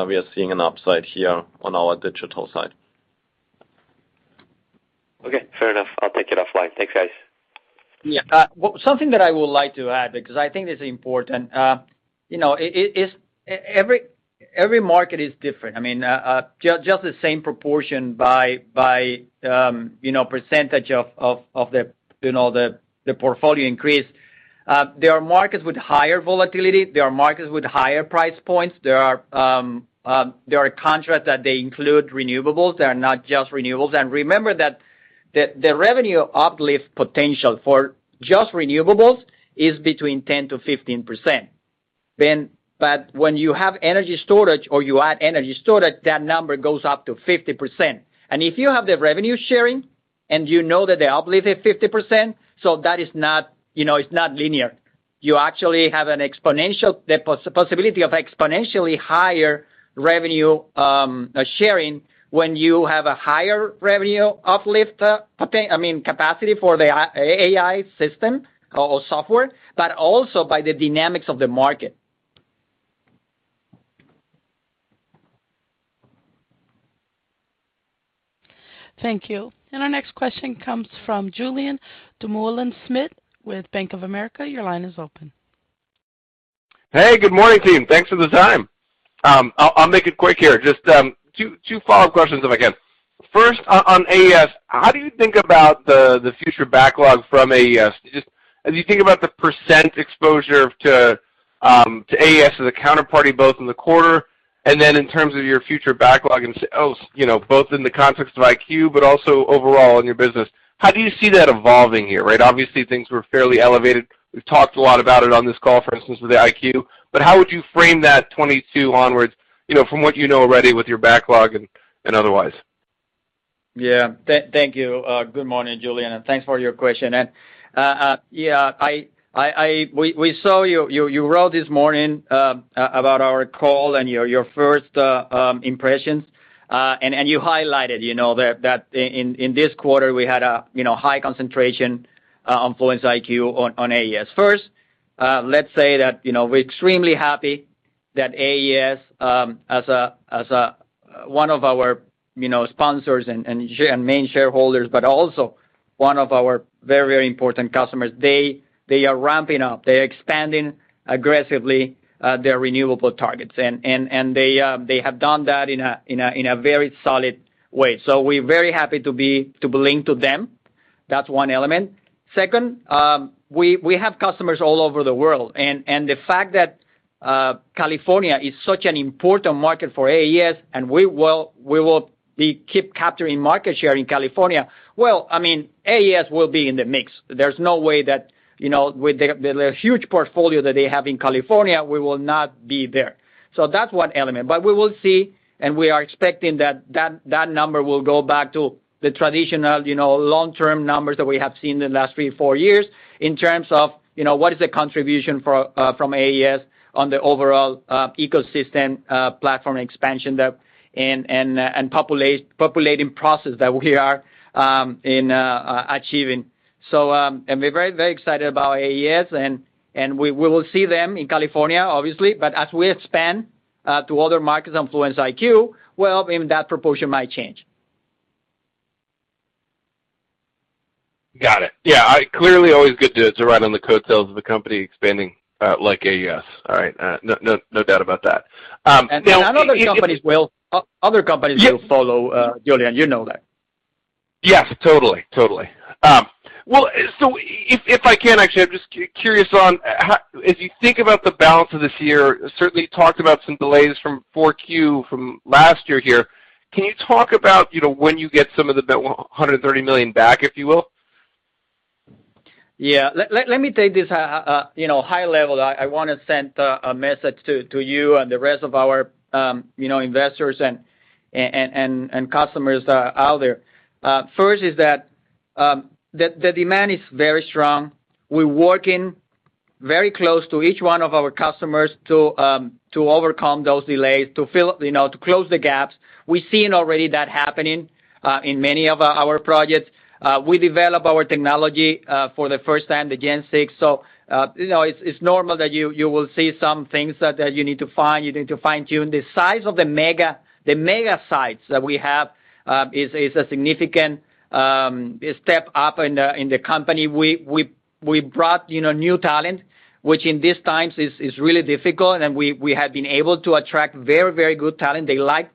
we are seeing an upside here on our digital side. Okay, fair enough. I'll take it offline. Thanks, guys. Yeah. Well, something that I would like to add, because I think it's important. You know, every market is different. I mean, just the same proportion by percentage of the portfolio increase. There are markets with higher volatility. There are markets with higher price points. There are contracts that include renewables. They are not just renewables. Remember that the revenue uplift potential for just renewables is between 10%-15%. But when you have energy storage or you add energy storage, that number goes up to 50%. If you have the revenue sharing and you know that the uplift is 50%, so that is not linear. You actually have the possibility of exponentially higher revenue sharing when you have a higher revenue uplift, I mean, capacity for the AI system or software, but also by the dynamics of the market. Thank you. Our next question comes from Julien Dumoulin-Smith with Bank of America. Your line is open. Hey, good morning, team. Thanks for the time. I'll make it quick here. Just two follow-up questions if I can. First, on AES, how do you think about the future backlog from AES? Just as you think about the % exposure to AES as a counterparty, both in the quarter and then in terms of your future backlog and else, you know, both in the context of IQ, but also overall in your business. How do you see that evolving here, right? Obviously, things were fairly elevated. We've talked a lot about it on this call, for instance, with the IQ. But how would you frame that 2022 onwards, you know, from what you know already with your backlog and otherwise? Thank you. Good morning, Julien, and thanks for your question. We saw you wrote this morning about our call and your first impressions. You highlighted, you know, that in this quarter, we had, you know, high concentration on Fluence IQ on AES. First, let's say that, you know, we're extremely happy that AES as one of our, you know, sponsors and main shareholders, but also one of our very important customers, they are ramping up. They're expanding aggressively their renewable targets. They have done that in a very solid way. We're very happy to be linked to them. That's one element. Second, we have customers all over the world. The fact that California is such an important market for AES, and we will be keeping capturing market share in California, well, I mean, AES will be in the mix. There's no way that, you know, with the huge portfolio that they have in California, we will not be there. So that's one element. We will see, and we are expecting that number will go back to the traditional, you know, long-term numbers that we have seen in the last three to four years in terms of, you know, what is the contribution from AES on the overall ecosystem platform expansion and populating process that we are achieving. We're very, very excited about AES and we will see them in California, obviously. As we expand to other markets on Fluence IQ, well, then that proportion might change. Got it. Yeah. Clearly, always good to ride on the coattails of a company expanding, like AES. All right. No doubt about that. Now- Other companies will follow, Julien. You know that. Yes, totally. Well, if I can actually, I'm just curious on how, as you think about the balance of this year, certainly you talked about some delays from Q4 from last year here. Can you talk about, you know, when you get some of the $130 million back, if you will? Yeah. Let me take this, you know, high level. I wanna send a message to you and the rest of our, you know, investors and customers out there. First is that the demand is very strong. We're working very close to each one of our customers to overcome those delays, to fill, you know, to close the gaps. We've seen already that happening in many of our projects. We develop our technology for the first time, the Gen6, so, you know, it's normal that you will see some things that you need to find, you need to fine-tune. The size of the mega sites that we have is a significant step up in the company. We brought, you know, new talent, which in these times is really difficult, and we have been able to attract very good talent. They like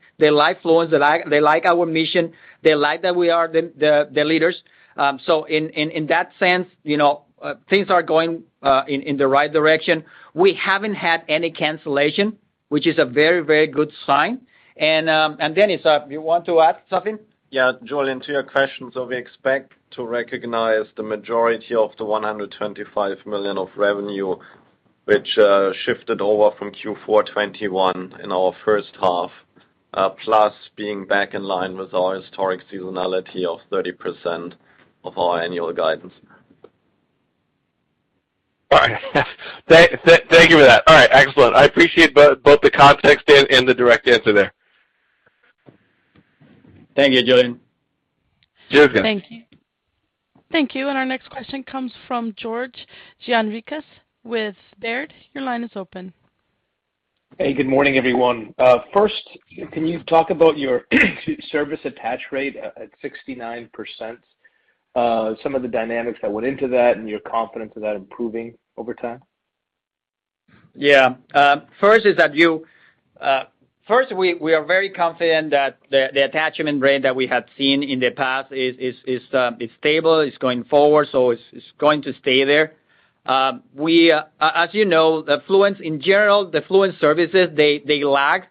Fluence, they like our mission, they like that we are the leaders. In that sense, you know, things are going in the right direction. We haven't had any cancellation, which is a very good sign. Dennis, you want to add something? Yeah, Julien, to your question. We expect to recognize the majority of the $125 million of revenue which shifted over from Q4 2021 in our first half, plus being back in line with our historic seasonality of 30% of our annual guidance. All right. Thank you for that. All right, excellent. I appreciate both the context and the direct answer there. Thank you, Julien. Julien. Thank you. Thank you, and our next question comes from George Gianarikas with Baird. Your line is open. Hey, good morning, everyone. First, can you talk about your service attach rate at 69%, some of the dynamics that went into that and your confidence of that improving over time? Yeah. First, we are very confident that the attachment rate that we have seen in the past is stable going forward, so it's going to stay there. As you know, Fluence in general, the Fluence services, they lag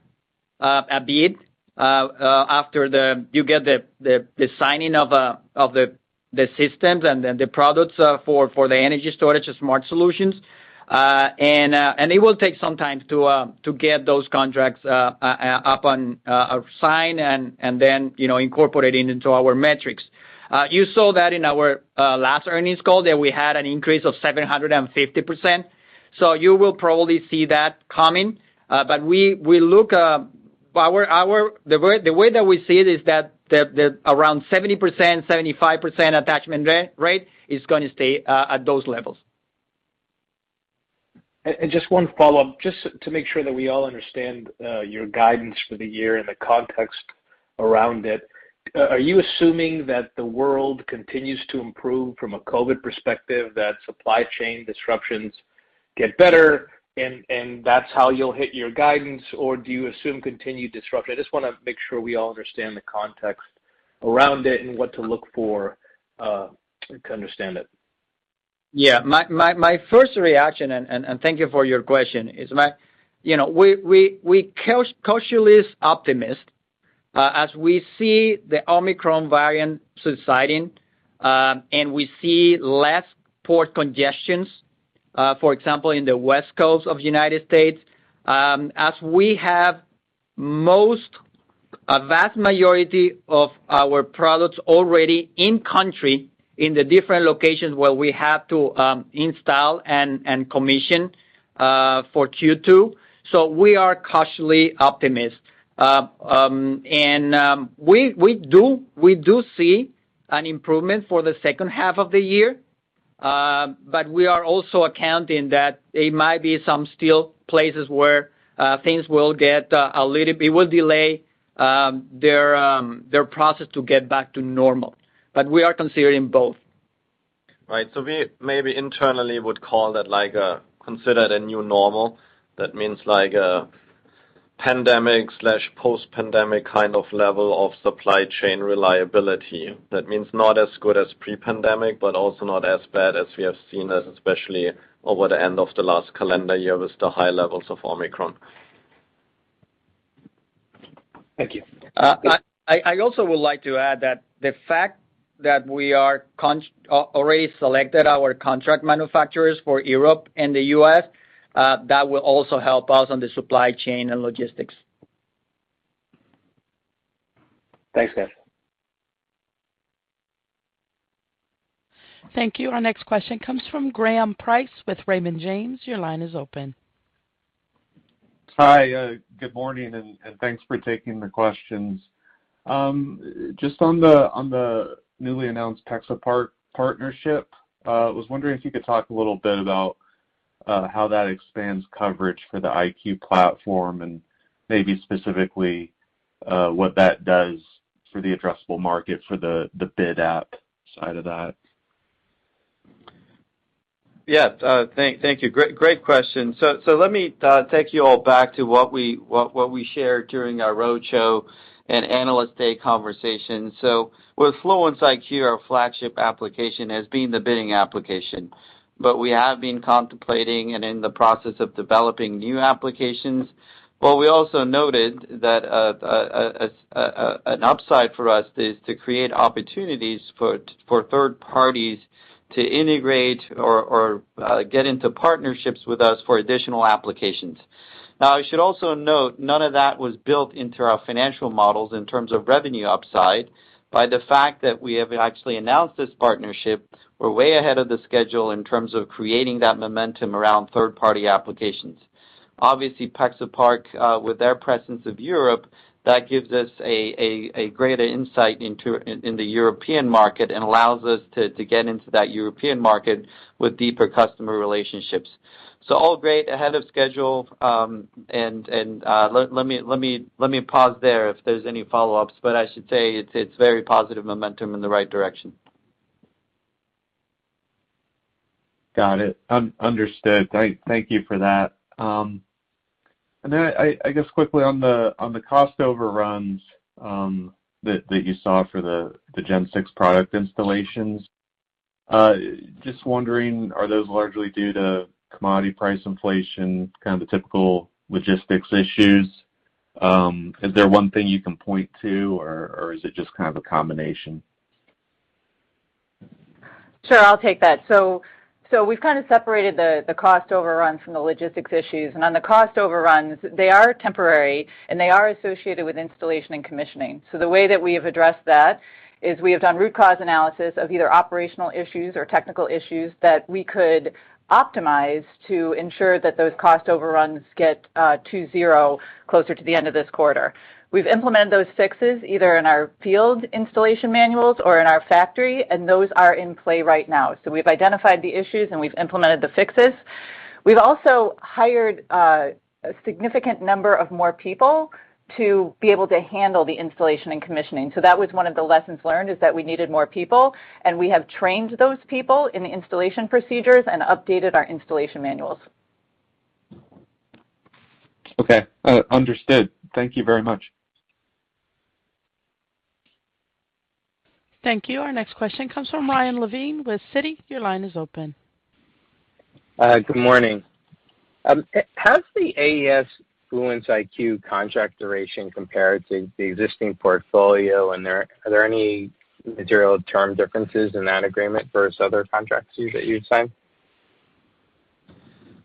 a bit after you get the signing of the systems and then the products for the energy storage and smart solutions. It will take some time to get those contracts upon signed and then, you know, incorporated into our metrics. You saw that in our last earnings call that we had an increase of 750%, so you will probably see that coming. The way that we see it is that around 70%-75% attachment rate is gonna stay at those levels. Just one follow-up, just to make sure that we all understand your guidance for the year and the context around it. Are you assuming that the world continues to improve from a COVID perspective, that supply chain disruptions get better and that's how you'll hit your guidance, or do you assume continued disruption? I just wanna make sure we all understand the context around it and what to look for to understand it. Yeah. My first reaction, and thank you for your question, is. You know, we cautiously optimistic as we see the Omicron variant subsiding, and we see less port congestion, for example, in the West Coast of the United States, as we have most, a vast majority of our products already in country in the different locations where we have to install and commission for Q2. We are cautiously optimistic. We do see an improvement for the second half of the year, but we are also accounting that it might be some still places where things will get a little. It will delay their process to get back to normal. We are considering both. Right. We maybe internally would call that like a, consider it a new normal. That means like a pandemic/post-pandemic kind of level of supply chain reliability. That means not as good as pre-pandemic, but also not as bad as we have seen, especially over the end of the last calendar year with the high levels of Omicron. Thank you. I also would like to add that the fact that we have already selected our contract manufacturers for Europe and the U.S., that will also help us on the supply chain and logistics. Thanks, guys. Thank you. Our next question comes from Graham Price with Raymond James. Your line is open. Hi, good morning, and thanks for taking the questions. Just on the newly announced Pexapark partnership, was wondering if you could talk a little bit about how that expands coverage for the IQ platform and maybe specifically what that does for the addressable market for the bid app side of that. Yes. Thank you. Great question. Let me take you all back to what we shared during our roadshow and analyst day conversation. With Fluence IQ, our flagship application, as being the bidding application, we have been contemplating and in the process of developing new applications. We also noted that an upside for us is to create opportunities for third parties to integrate or get into partnerships with us for additional applications. Now, I should also note none of that was built into our financial models in terms of revenue upside. By the fact that we have actually announced this partnership, we're way ahead of the schedule in terms of creating that momentum around third-party applications. Obviously, Pexapark, with their presence in Europe, that gives us a greater insight into the European market and allows us to get into that European market with deeper customer relationships. All great, ahead of schedule. Let me pause there if there's any follow-ups, but I should say it's very positive momentum in the right direction. Got it. Understood. Thank you for that. I guess quickly on the cost overruns that you saw for the Gen6 product installations. Just wondering, are those largely due to commodity price inflation, kind of the typical logistics issues? Is there one thing you can point to, or is it just kind of a combination? Sure, I'll take that. We've kind of separated the cost overruns from the logistics issues. On the cost overruns, they are temporary, and they are associated with installation and commissioning. The way that we have addressed that is we have done root cause analysis of either operational issues or technical issues that we could optimize to ensure that those cost overruns get to zero closer to the end of this quarter. We've implemented those fixes either in our field installation manuals or in our factory, and those are in play right now. We've identified the issues, and we've implemented the fixes. We've also hired a significant number of more people to be able to handle the installation and commissioning. That was one of the lessons learned, is that we needed more people, and we have trained those people in the installation procedures and updated our installation manuals. Okay. Understood. Thank you very much. Thank you. Our next question comes from Ryan Levine with Citi. Your line is open. Good morning. Has the AES Fluence IQ contract duration compared to the existing portfolio and are there any material term differences in that agreement versus other contracts that you've signed?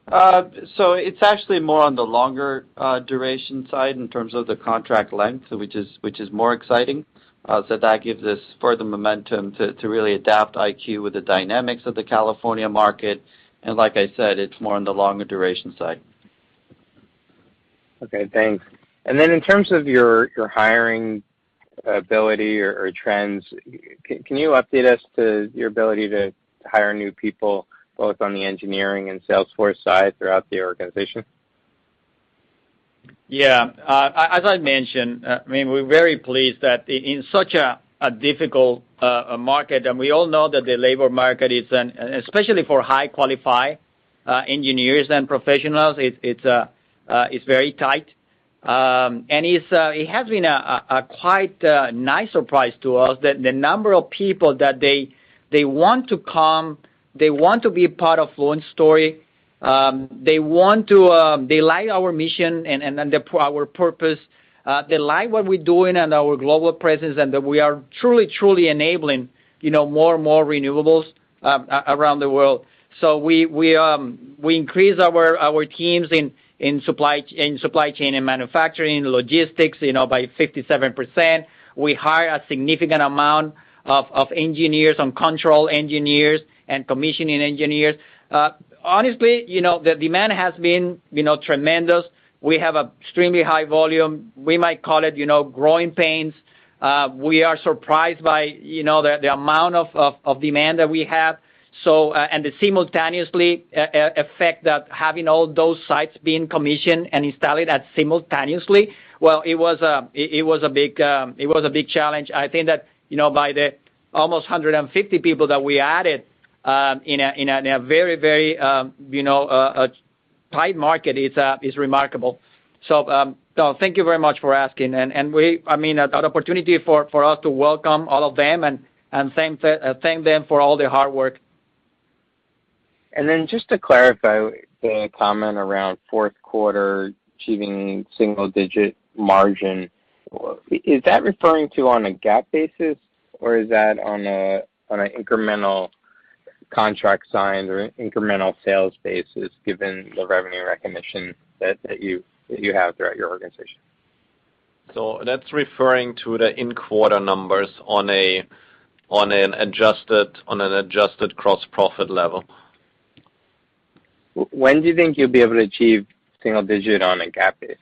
It's actually more on the longer duration side in terms of the contract length, which is more exciting. That gives us further momentum to really adapt IQ with the dynamics of the California market. Like I said, it's more on the longer duration side. Okay, thanks. In terms of your hiring ability or trends, can you update us on your ability to hire new people both on the engineering and sales force side throughout the organization? Yeah. As I mentioned, I mean, we're very pleased that in such a difficult market, and we all know that the labor market is, especially for highly qualified engineers and professionals, it's very tight. It has been a quite nice surprise to us that the number of people that they want to come, they want to be a part of Fluence story. They want to, they like our mission and our purpose. They like what we're doing and our global presence, and that we are truly enabling, you know, more and more renewables around the world. We increase our teams in supply chain and manufacturing, logistics, you know, by 57%. We hire a significant amount of engineers, and control engineers and commissioning engineers. Honestly, you know, the demand has been, you know, tremendous. We have extremely high volume. We might call it, you know, growing pains. We are surprised by, you know, the amount of demand that we have. And the simultaneous effect that having all those sites being commissioned and installed simultaneously, it was a big challenge. I think that, you know, by the almost 150 people that we added in a very tight market is remarkable. Thank you very much for asking. I mean, an opportunity for us to welcome all of them and thank them for all their hard work. Just to clarify the comment around fourth quarter achieving single-digit margin, is that referring to on a GAAP basis, or is that on a incremental contract signed or incremental sales basis, given the revenue recognition that you have throughout your organization? That's referring to the in-quarter numbers on an adjusted gross profit level. When do you think you'll be able to achieve single digit on a GAAP basis?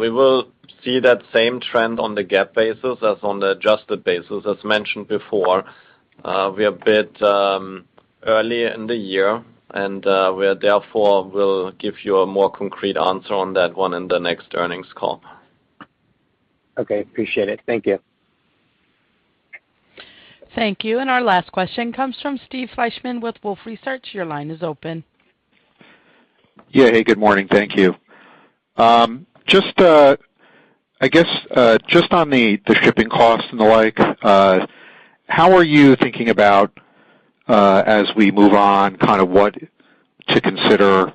We will see that same trend on the GAAP basis as on the adjusted basis. As mentioned before, we are a bit early in the year, and we therefore will give you a more concrete answer on that one in the next earnings call. Okay, appreciate it. Thank you. Thank you. Our last question comes from Steve Fleishman with Wolfe Research. Your line is open. Yeah. Hey, good morning. Thank you. Just, I guess, just on the shipping costs and the like, how are you thinking about, as we move on kind of what to consider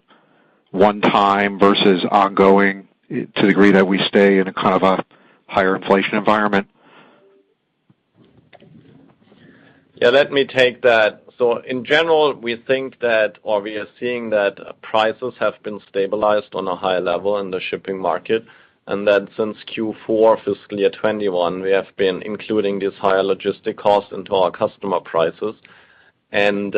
one time versus ongoing to the degree that we stay in a kind of a higher inflation environment? Yeah, let me take that. In general, we think that, or we are seeing that prices have been stabilized on a higher level in the shipping market, and that since Q4 fiscal year 2021, we have been including these higher logistic costs into our customer prices and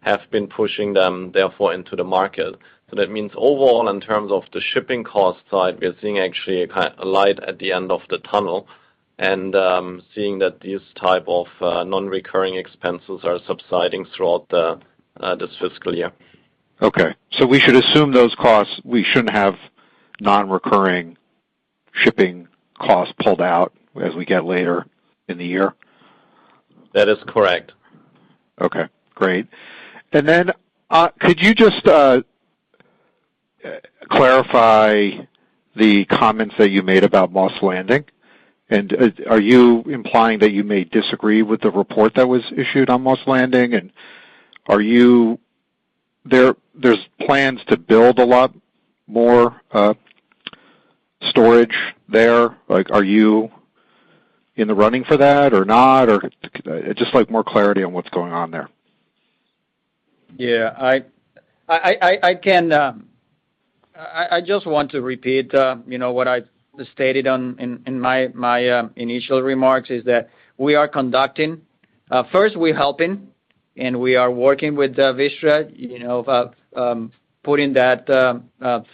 have been pushing them therefore into the market. That means overall, in terms of the shipping cost side, we are seeing actually a light at the end of the tunnel and seeing that these type of non-recurring expenses are subsiding throughout this fiscal year. Okay, we should assume those costs. We shouldn't have non-recurring shipping costs pulled out as we get later in the year. That is correct. Okay, great. Could you just clarify the comments that you made about Moss Landing? Are you implying that you may disagree with the report that was issued on Moss Landing? There's plans to build a lot more storage there. Like, are you in the running for that or not? Or just like more clarity on what's going on there. I just want to repeat, you know, what I stated in my initial remarks, is that we are helping and we are working with Vistra, you know, about putting that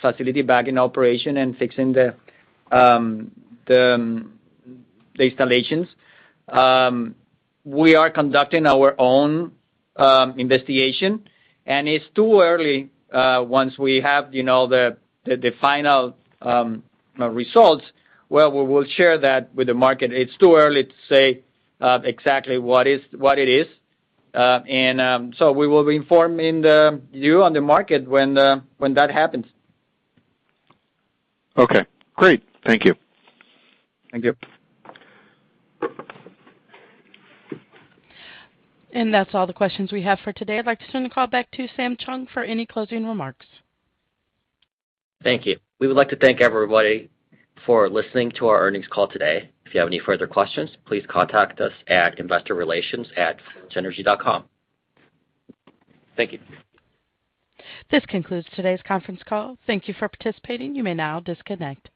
facility back in operation and fixing the installations. We are conducting our own investigation, and it's too early. Once we have, you know, the final results, well, we will share that with the market. It's too early to say exactly what it is. We will be informing you and the market when that happens. Okay, great. Thank you. Thank you. That's all the questions we have for today. I'd like to turn the call back to Samuel Chong for any closing remarks. Thank you. We would like to thank everybody for listening to our earnings call today. If you have any further questions, please contact us at investorrelations@fluenceenergy.com. Thank you. This concludes today's conference call. Thank you for participating. You may now disconnect.